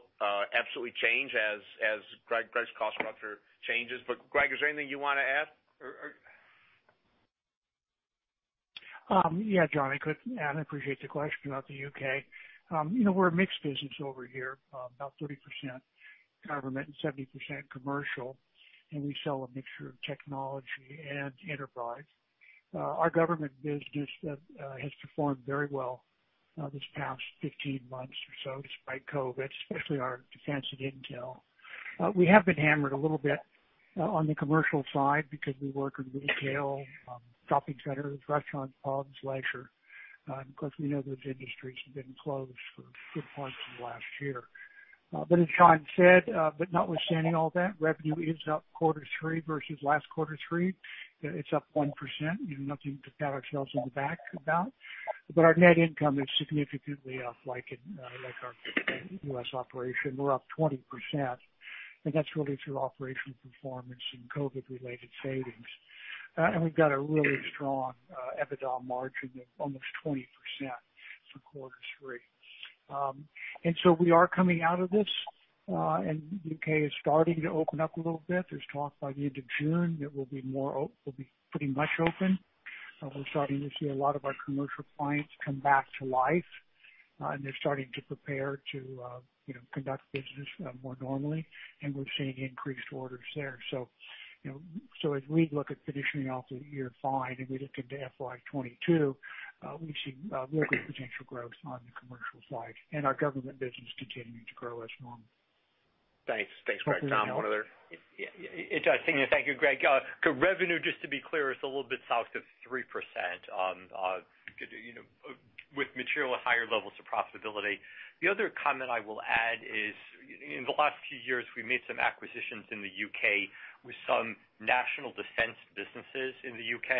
absolutely change as Greg's cost structure changes. But Greg, is there anything you want to add? Yeah, John, I appreciate the question about the U.K. We're a mixed business over here, about 30% government and 70% commercial, and we sell a mixture of technology and enterprise. Our government business has performed very well this past 15 months or so despite COVID, especially our defense and intel. We have been hammered a little bit on the commercial side because we work in retail, shopping centers, restaurants, pubs, leisure, because we know those industries have been closed for parts of the last year. But as John said, notwithstanding all that, revenue is up quarter three versus last quarter three. It's up 1%. Nothing to pat ourselves on the back about, but our net income is significantly up like our U.S. operation. We're up 20%, and that's really through operational performance and COVID-related savings, and we've got a really strong EBITDA margin of almost 20% for quarter three. And so we are coming out of this, and the U.K. is starting to open up a little bit. There's talk by the end of June that we'll be pretty much open. We're starting to see a lot of our commercial clients come back to life, and they're starting to prepare to conduct business more normally. And we're seeing increased orders there. So as we look at finishing off the year fine and we look into FY 2022, we see real good potential growth on the commercial side and our government business continuing to grow as normal. Thanks. Thanks, Greg. Tom, one other thing to thank you, Greg. Revenue, just to be clear, is a little bit south of 3% with material higher levels of profitability. The other comment I will add is in the last few years, we made some acquisitions in the U.K. with some national defense businesses in the U.K.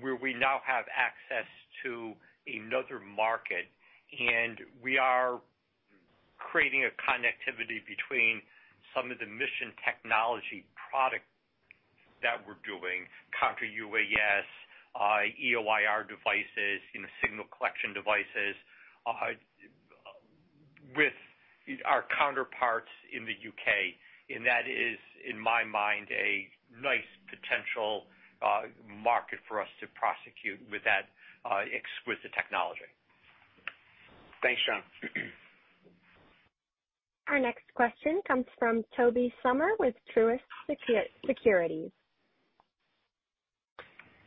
where we now have access to another market. And we are creating a connectivity between some of the mission technology products that we're doing, counter-UAS, EO/IR devices, signal collection devices with our counterparts in the U.K. And that is, in my mind, a nice potential market for us to prosecute with that exquisite technology. Thanks, John. Our next question comes from Tobey Sommer with Truist Securities.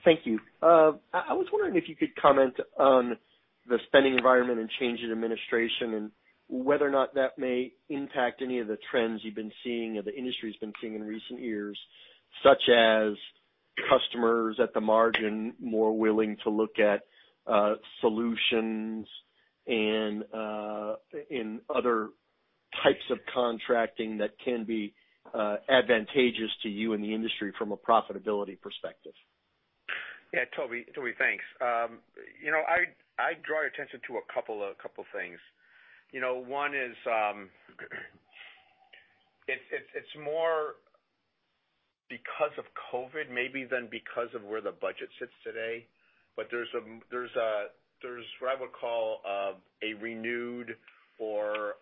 Thank you. I was wondering if you could comment on the spending environment and change in administration and whether or not that may impact any of the trends you've been seeing or the industry has been seeing in recent years, such as customers at the margin more willing to look at solutions and other types of contracting that can be advantageous to you and the industry from a profitability perspective? Yeah, Tobey, thanks. I'd draw your attention to a couple of things. One is it's more because of COVID maybe than because of where the budget sits today. But there's what I would call a renewed or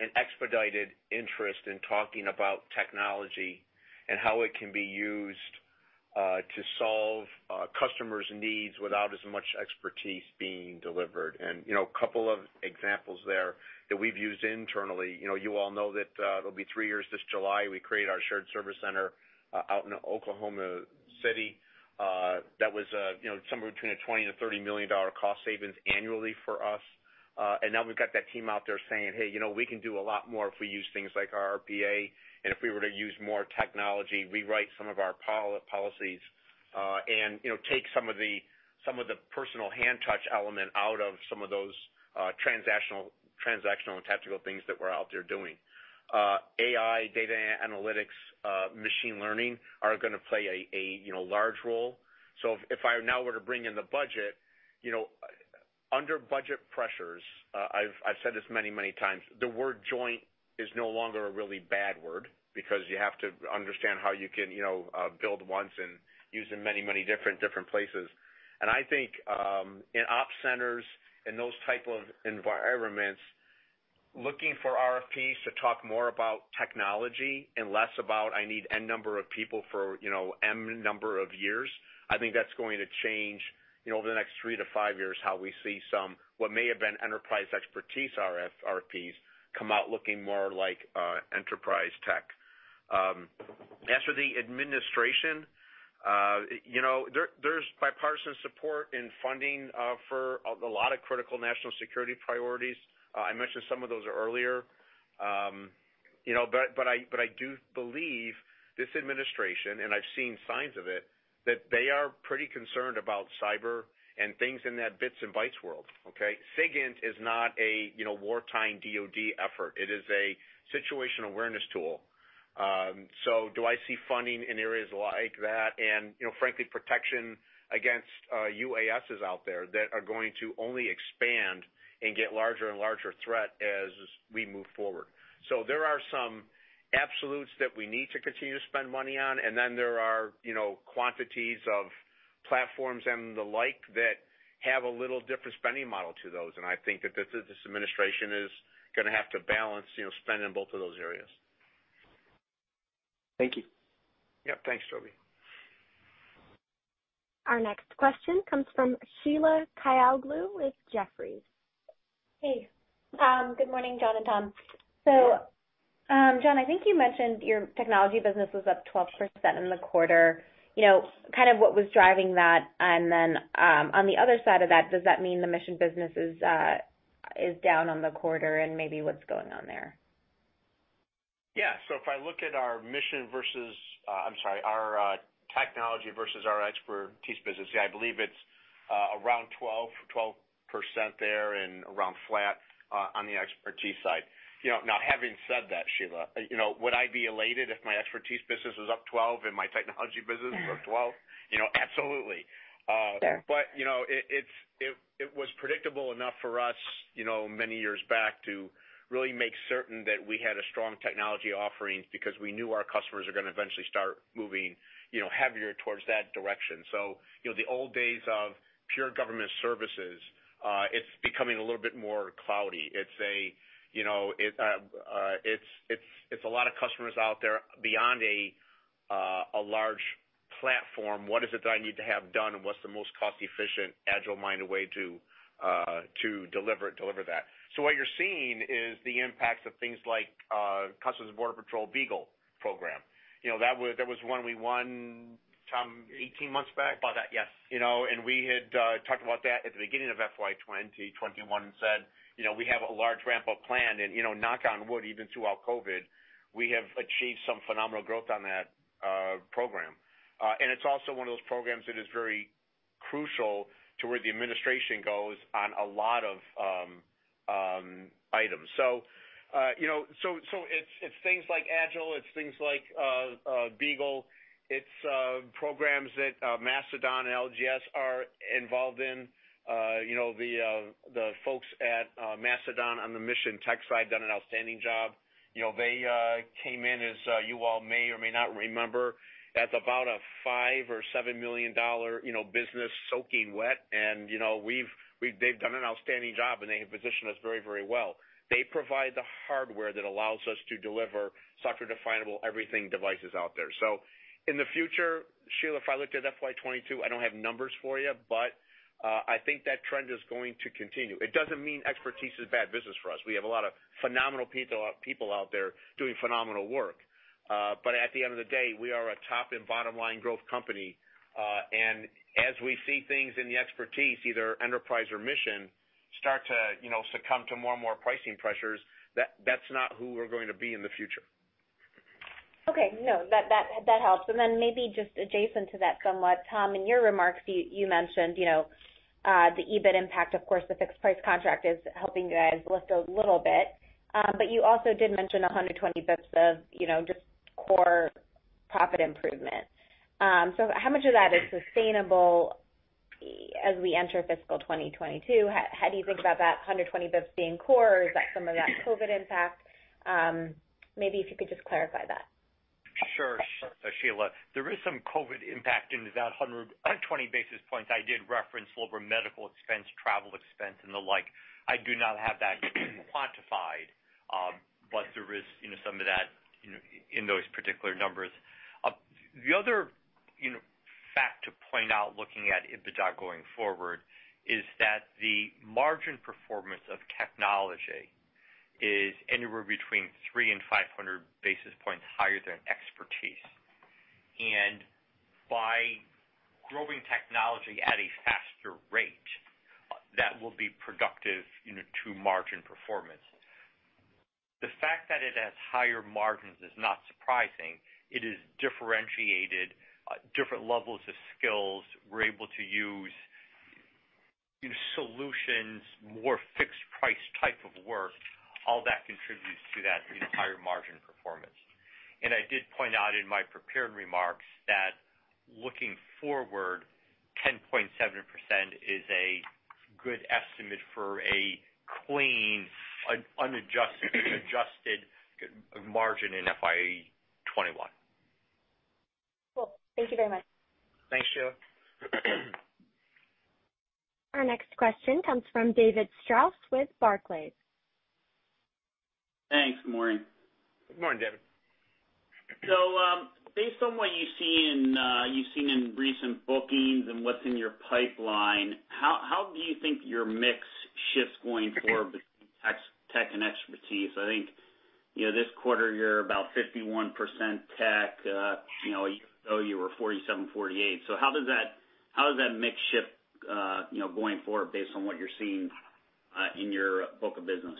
an expedited interest in talking about technology and how it can be used to solve customers' needs without as much expertise being delivered. And a couple of examples there that we've used internally. You all know that it'll be three years this July. We created our shared service center out in Oklahoma City. That was somewhere between $20 million and $30 million cost savings annually for us. And now we've got that team out there saying, "Hey, we can do a lot more if we use things like our RPA. And if we were to use more technology, rewrite some of our policies, and take some of the personal hand touch element out of some of those transactional and tactical things that we're out there doing." AI, data analytics, machine learning are going to play a large role. So if I now were to bring in the budget, under budget pressures, I've said this many, many times, the word joint is no longer a really bad word because you have to understand how you can build once and use it in many, many different places. And I think in op centers and those type of environments, looking for RFPs to talk more about technology and less about, "I need N number of people for M number of years," I think that's going to change over the next three to five years how we see somewhat what may have been enterprise expertise RFPs come out looking more like enterprise tech. As for the administration, there's bipartisan support and funding for a lot of critical national security priorities. I mentioned some of those earlier. But I do believe this administration, and I've seen signs of it, that they are pretty concerned about cyber and things in that bits and bytes world. Okay? SIGINT is not a wartime DOD effort. It is a situational awareness tool. So do I see funding in areas like that? And frankly, protection against UASs out there that are going to only expand and get larger and larger threat as we move forward. So there are some absolutes that we need to continue to spend money on. And then there are quantities of platforms and the like that have a little different spending model to those. And I think that this administration is going to have to balance spend in both of those areas. Thank you. Yep. Thanks, Tobey. Our next question comes from Sheila Kahyaoglu with Jefferies. Hey. Good morning, John and Tom. So John, I think you mentioned your technology business was up 12% in the quarter. Kind of, what was driving that? And then on the other side of that, does that mean the mission business is down on the quarter? And maybe what's going on there? Yeah. So if I look at our mission versus, I'm sorry, our technology versus our expertise business, yeah, I believe it's around 12% there and around flat on the expertise side. Now, having said that, Sheila, would I be elated if my expertise business was up 12 and my technology business was up 12? Absolutely. But it was predictable enough for us many years back to really make certain that we had a strong technology offering because we knew our customers are going to eventually start moving heavier towards that direction. So the old days of pure government services, it's becoming a little bit more cloudy. It's a lot of customers out there beyond a large platform. What is it that I need to have done? And what's the most cost-efficient, agile-minded way to deliver that? So what you're seeing is the impacts of things like Customs and Border Protection Beagle program. That was one we won, Tom, 18 months back? About that, yes. We had talked about that at the beginning of FY 2021 and said, "We have a large ramp-up plan," and knock on wood, even throughout COVID, we have achieved some phenomenal growth on that program, and it's also one of those programs that is very crucial to where the administration goes on a lot of items, so it's things like Agile. It's things like Beagle. It's programs that Mastodon and LGS are involved in. The folks at Mastodon on the mission tech side done an outstanding job. They came in, as you all may or may not remember, as about a five or seven million-dollar business soaking wet, and they've done an outstanding job, and they have positioned us very, very well. They provide the hardware that allows us to deliver software-defined everything devices out there. So in the future, Sheila, if I looked at FY 2022, I don't have numbers for you, but I think that trend is going to continue. It doesn't mean expertise is bad business for us. We have a lot of phenomenal people out there doing phenomenal work. But at the end of the day, we are a top and bottom-line growth company. And as we see things in the expertise, either enterprise or mission, start to succumb to more and more pricing pressures, that's not who we're going to be in the future. Okay. No, that helps. And then maybe just adjacent to that somewhat, Tom, in your remarks, you mentioned the EBIT impact. Of course, the fixed price contract is helping you guys lift a little bit. But you also did mention 120 basis points of just core profit improvement. So how much of that is sustainable as we enter fiscal 2022? How do you think about that 120 basis points being core? Is that some of that COVID impact? Maybe if you could just clarify that. Sure. So Sheila, there is some COVID impact in that 120 basis points. I did reference lower medical expense, travel expense, and the like. I do not have that quantified, but there is some of that in those particular numbers. The other fact to point out looking at EBITDA going forward is that the margin performance of technology is anywhere between 3 and 500 basis points higher than expertise. And by growing technology at a faster rate, that will be productive to margin performance. The fact that it has higher margins is not surprising. It is differentiated different levels of skills. We're able to use solutions, more fixed price type of work. All that contributes to that higher margin performance. And I did point out in my prepared remarks that looking forward, 10.7% is a good estimate for a clean, unadjusted margin in FY 2021. Cool. Thank you very much. Thanks, Sheila. Our next question comes from David Strauss with Barclays. Thanks. Good morning. Good morning, David. So based on what you've seen in recent bookings and what's in your pipeline, how do you think your mix shifts going forward between tech and expertise? I think this quarter you're about 51% tech. A year ago, you were 47, 48. So how does that mix shift going forward based on what you're seeing in your book of business?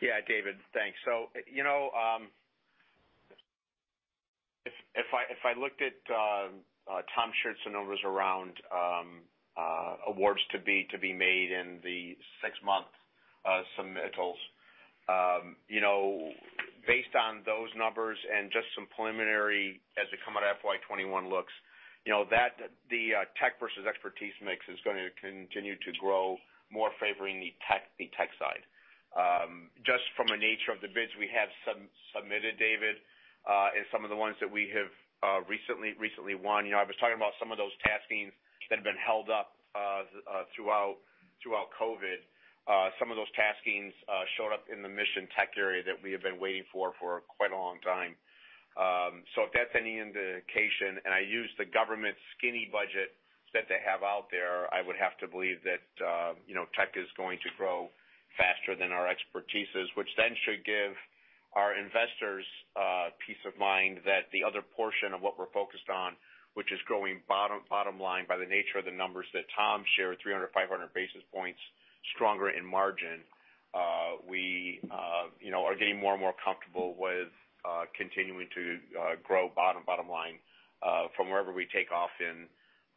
Yeah, David, thanks. So if I looked at Tom Schertz's numbers around awards to be made in the six-month submittals, based on those numbers and just some preliminary as it come out of FY 21 looks, the tech versus expertise mix is going to continue to grow more favoring the tech side. Just from the nature of the bids we have submitted, David, and some of the ones that we have recently won, I was talking about some of those taskings that have been held up throughout COVID. Some of those taskings showed up in the mission tech area that we have been waiting for for quite a long time. So if that's any indication, and I use the government skinny budget that they have out there, I would have to believe that tech is going to grow faster than our expertise is, which then should give our investors peace of mind that the other portion of what we're focused on, which is growing bottom line, by the nature of the numbers that Tom shared, 300-500 basis points stronger in margin, we are getting more and more comfortable with continuing to grow bottom line, from wherever we take off in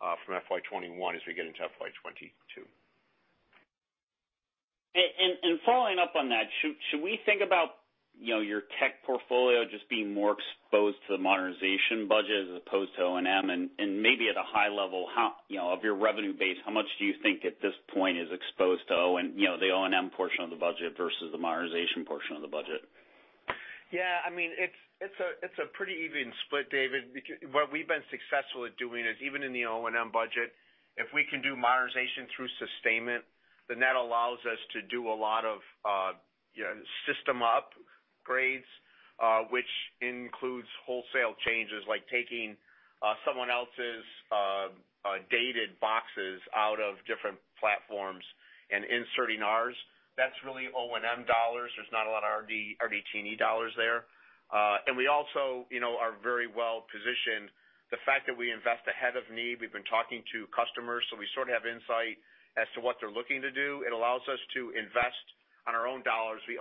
FY 2021 as we get into FY 2022. And following up on that, should we think about your tech portfolio just being more exposed to the modernization budget as opposed to O&M? And maybe at a high level, of your revenue base, how much do you think at this point is exposed to the O&M portion of the budget versus the modernization portion of the budget? Yeah. I mean, it's a pretty even split, David. What we've been successful at doing is even in the O&M budget, if we can do modernization through sustainment, then that allows us to do a lot of system upgrades, which includes wholesale changes like taking someone else's dated boxes out of different platforms and inserting ours. That's really O&M dollars. There's not a lot of RDT&E dollars there. And we also are very well positioned. The fact that we invest ahead of need, we've been talking to customers, so we sort of have insight as to what they're looking to do. It allows us to invest on our own dollars, the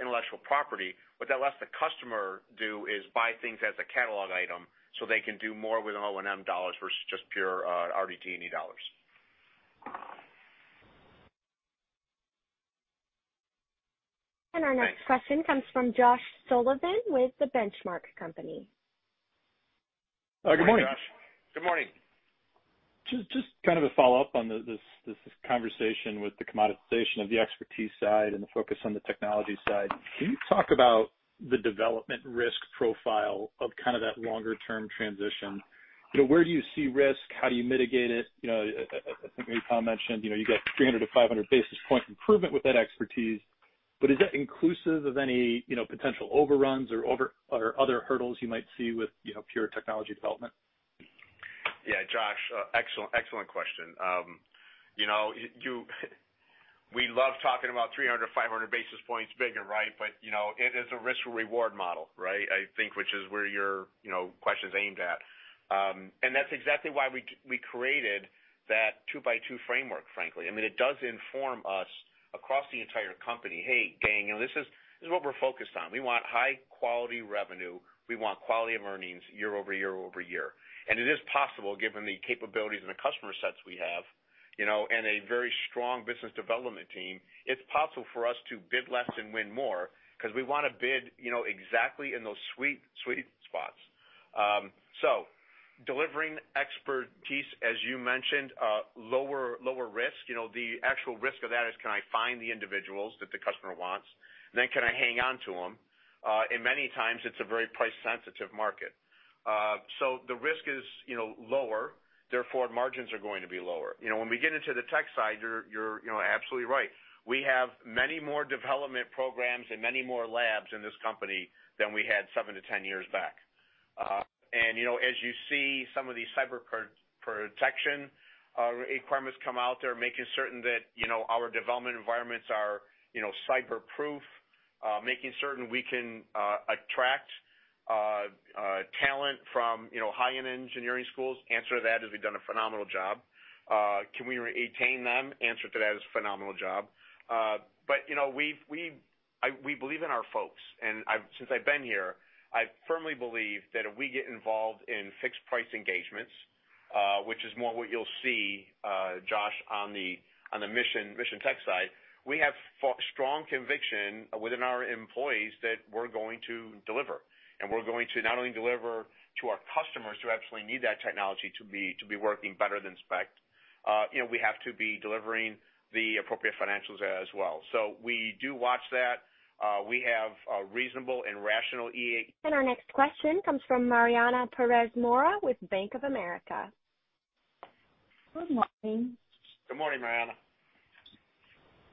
intellectual property. What that lets the customer do is buy things as a catalog item so they can do more with O&M dollars versus just pure RDT&E dollars. Our next question comes from Josh Sullivan with The Benchmark Company. Good morning, Josh. Good morning. Just kind of a follow-up on this conversation with the commoditization of the expertise side and the focus on the technology side. Can you talk about the development risk profile of kind of that longer-term transition? Where do you see risk? How do you mitigate it? I think Tom mentioned you get 300-500 basis points improvement with that expertise. But is that inclusive of any potential overruns or other hurdles you might see with pure technology development? Yeah, Josh, excellent question. We love talking about 300, 500 basis points bigger, right? But it is a risk-reward model, right, I think, which is where your question is aimed at, and that's exactly why we created that 2x2 framework, frankly. I mean, it does inform us across the entire company, "Hey, gang, this is what we're focused on. We want high-quality revenue. We want quality of earnings year over year over year," and it is possible, given the capabilities and the customer sets we have and a very strong business development team, it's possible for us to bid less and win more because we want to bid exactly in those sweet spots, so delivering expertise, as you mentioned, lower risk. The actual risk of that is, can I find the individuals that the customer wants? And then can I hang on to them? Many times, it's a very price-sensitive market. The risk is lower. Therefore, margins are going to be lower. When we get into the tech side, you're absolutely right. We have many more development programs and many more labs in this company than we had seven to 10 years back. As you see some of these cyber protection requirements come out there, making certain that our development environments are cyberproof, making certain we can attract talent from high-end engineering schools, answer to that is we've done a phenomenal job. Can we retain them? Answer to that is a phenomenal job. We believe in our folks. Since I've been here, I firmly believe that if we get involved in fixed price engagements, which is more what you'll see, Josh, on the mission tech side, we have strong conviction within our employees that we're going to deliver. We're going to not only deliver to our customers who actually need that technology to be working better than specced, we have to be delivering the appropriate financials as well. We do watch that. We have reasonable and rational. Our next question comes from Mariana Perez Mora with Bank of America. Good morning. Good morning, Mariana.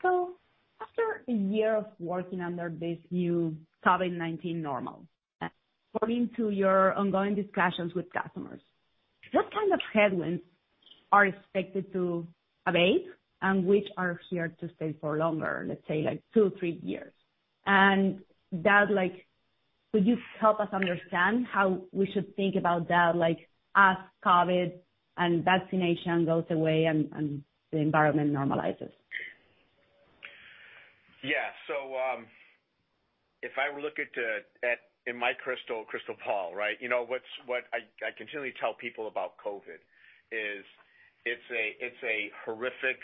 After a year of working under this new COVID-19 normal, according to your ongoing discussions with customers, what kind of headwinds are expected to abate and which are here to stay for longer, let's say like two, three years? And could you help us understand how we should think about that as COVID and vaccination goes away and the environment normalizes? Yeah. So if I were to look at, in my crystal ball, right, what I continually tell people about COVID is it's a horrific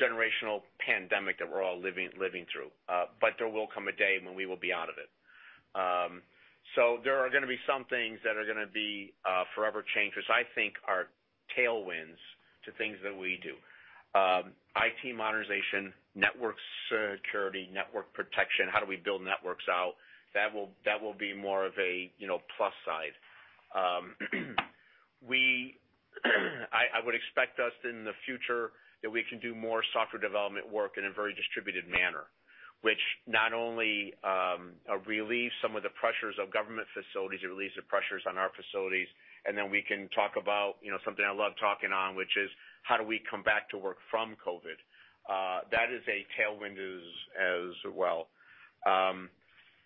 generational pandemic that we're all living through. But there will come a day when we will be out of it. So there are going to be some things that are going to be forever changed, which I think are tailwinds to things that we do: IT modernization, network security, network protection, how do we build networks out? That will be more of a plus side. I would expect us in the future that we can do more software development work in a very distributed manner, which not only relieves some of the pressures of government facilities, it relieves the pressures on our facilities. And then we can talk about something I love talking on, which is how do we come back to work from COVID? That is a tailwind as well.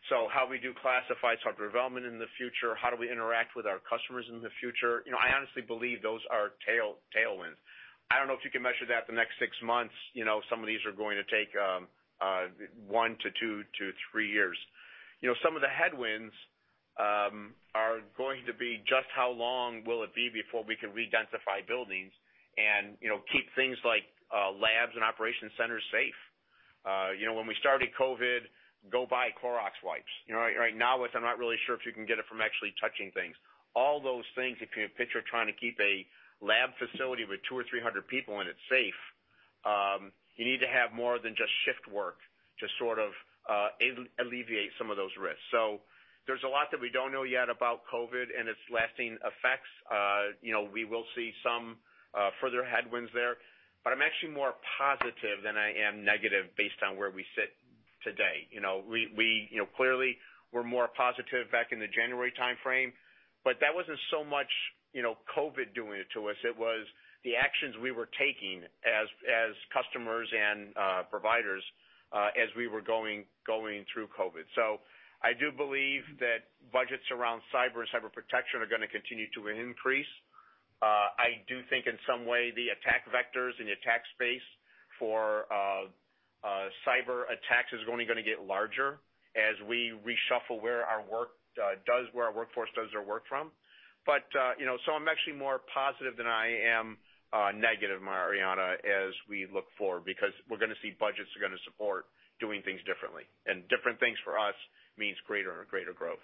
So how we do classify software development in the future, how do we interact with our customers in the future? I honestly believe those are tailwinds. I don't know if you can measure that the next six months. Some of these are going to take one to two to three years. Some of the headwinds are going to be just how long will it be before we can redensify buildings and keep things like labs and operation centers safe? When we started COVID, go buy Clorox wipes. Right now, I'm not really sure if you can get it from actually touching things. All those things, if you're trying to keep a lab facility with 200 or 300 people and it's safe, you need to have more than just shift work to sort of alleviate some of those risks. So there's a lot that we don't know yet about COVID and its lasting effects. We will see some further headwinds there. But I'm actually more positive than I am negative based on where we sit today. We clearly were more positive back in the January timeframe, but that wasn't so much COVID doing it to us. It was the actions we were taking as customers and providers as we were going through COVID. So I do believe that budgets around cyber and cyber protection are going to continue to increase. I do think in some way the attack vectors in the attack space for cyber attacks is only going to get larger as we reshuffle where our work does, where our workforce does their work from. But so I'm actually more positive than I am negative, Mariana, as we look forward because we're going to see budgets are going to support doing things differently. And different things for us means greater and greater growth.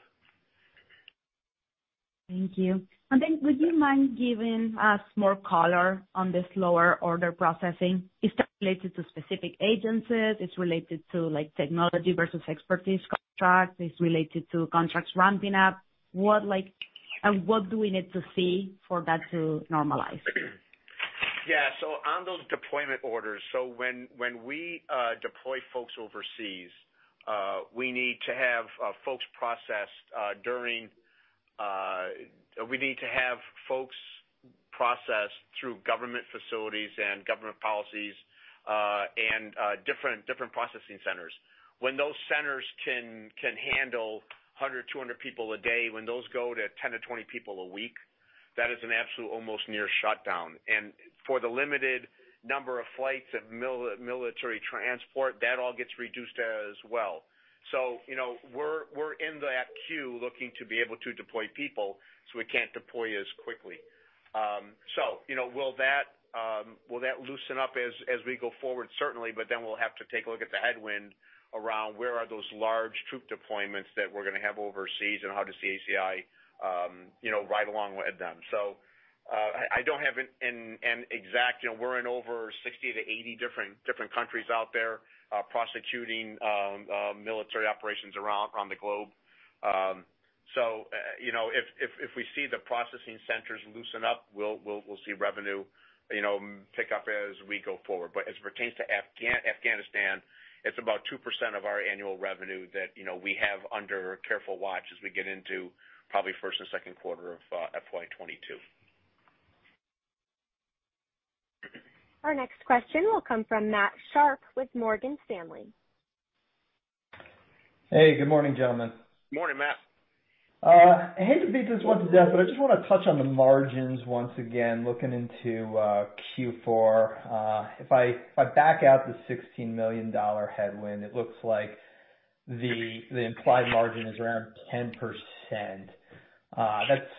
Thank you, and then would you mind giving us more color on this lower order processing? Is that related to specific agencies? It's related to technology versus expertise contracts? It's related to contracts ramping up, and what do we need to see for that to normalize? Yeah. So on those deployment orders, so when we deploy folks overseas, we need to have folks processed through government facilities and government policies and different processing centers. When those centers can handle 100, 200 people a day, when those go to 10-20 people a week, that is an absolute almost near shutdown. And for the limited number of flights of military transport, that all gets reduced as well. So we're in that queue looking to be able to deploy people so we can't deploy as quickly. So will that loosen up as we go forward? Certainly. But then we'll have to take a look at the headwind around where are those large troop deployments that we're going to have overseas and how does the CACI ride along with them? So I don't have an exact number. We're in over 60-80 different countries out there prosecuting military operations around the globe. So if we see the processing centers loosen up, we'll see revenue pick up as we go forward. But as it pertains to Afghanistan, it's about 2% of our annual revenue that we have under careful watch as we get into probably first and second quarter of FY 2022. Our next question will come from Matthew Sharpe with Morgan Stanley. Hey, good morning, gentlemen. Good morning, Matt. Hey, David. Just wanted to ask, but I just want to touch on the margins once again, looking into Q4. If I back out the $16 million headwind, it looks like the implied margin is around 10%. That's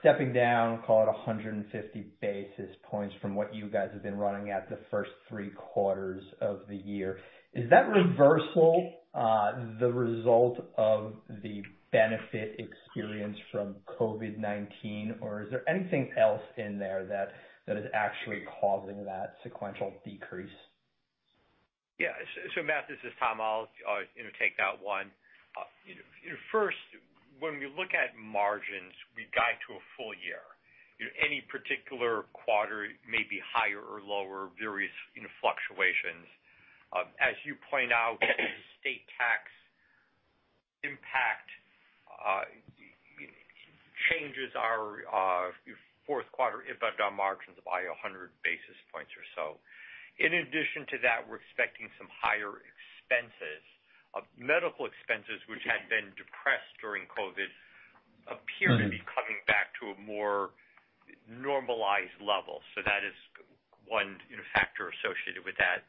stepping down, call it 150 basis points from what you guys have been running at the first three quarters of the year. Is that reversal the result of the benefit experience from COVID-19, or is there anything else in there that is actually causing that sequential decrease? Yeah. So Matt, this is Tom. I'll take that one. First, when we look at margins, we guide to a full year. Any particular quarter may be higher or lower, various fluctuations. As you point out, the state tax impact changes our fourth quarter EBITDA margins by 100 basis points or so. In addition to that, we're expecting some higher expenses, medical expenses, which had been depressed during COVID, appear to be coming back to a more normalized level. So that is one factor associated with that.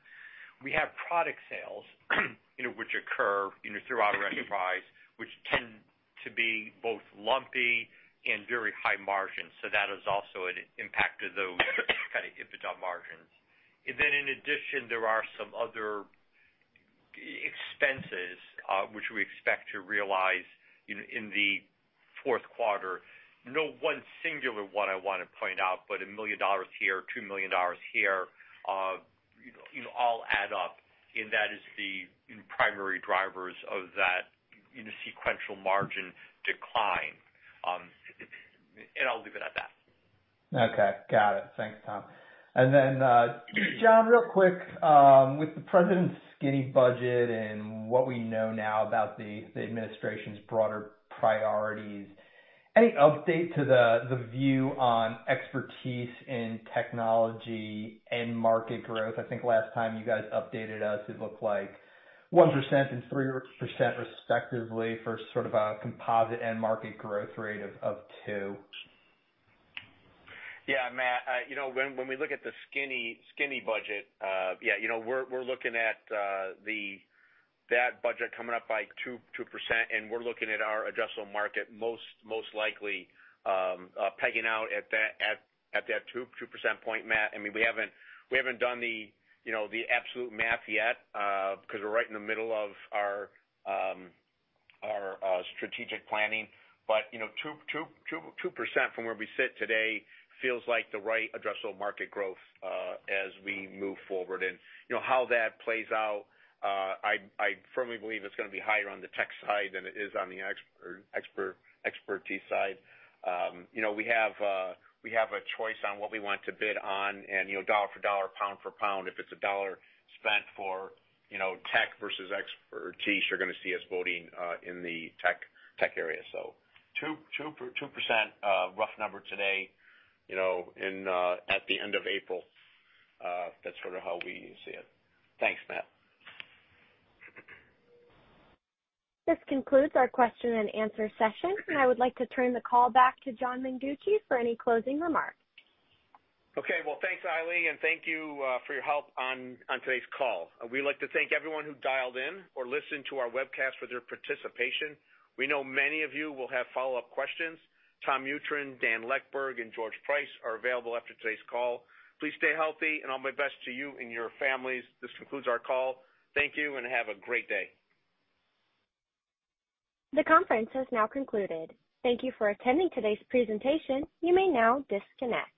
We have product sales which occur throughout our enterprise, which tend to be both lumpy and very high margins. So that has also impacted those kind of EBITDA margins. And then in addition, there are some other expenses which we expect to realize in the fourth quarter. No one singular one I want to point out, but a million dollars here, $2 million here, all add up, and that is the primary drivers of that sequential margin decline, and I'll leave it at that. Okay. Got it. Thanks, Tom. And then, John, real quick, with the President's skinny budget and what we know now about the administration's broader priorities, any update to the view on expected in technology and market growth? I think last time you guys updated us, it looked like 1% and 3% respectively for sort of a composite end market growth rate of 2%. Yeah, Matt. When we look at the skinny budget, yeah, we're looking at that budget coming up by 2%, and we're looking at our addressable market most likely pegging out at that 2% point, Matt. I mean, we haven't done the absolute math yet because we're right in the middle of our strategic planning. But 2% from where we sit today feels like the right addressable market growth as we move forward. And how that plays out, I firmly believe it's going to be higher on the tech side than it is on the expertise side. We have a choice on what we want to bid on, and dollar for dollar, pound for pound, if it's a dollar spent for tech versus expertise, you're going to see us voting in the tech area. So 2% rough number today at the end of April. That's sort of how we see it. Thanks, Matt. This concludes our question and answer session. And I would like to turn the call back to John Mengucci for any closing remarks. Okay. Well, thanks, Eileen, and thank you for your help on today's call. We'd like to thank everyone who dialed in or listened to our webcast for their participation. We know many of you will have follow-up questions. Tom Mutryn, Dan Leckburg, and George Price are available after today's call. Please stay healthy and all my best to you and your families. This concludes our call. Thank you and have a great day. The conference has now concluded. Thank you for attending today's presentation. You may now disconnect.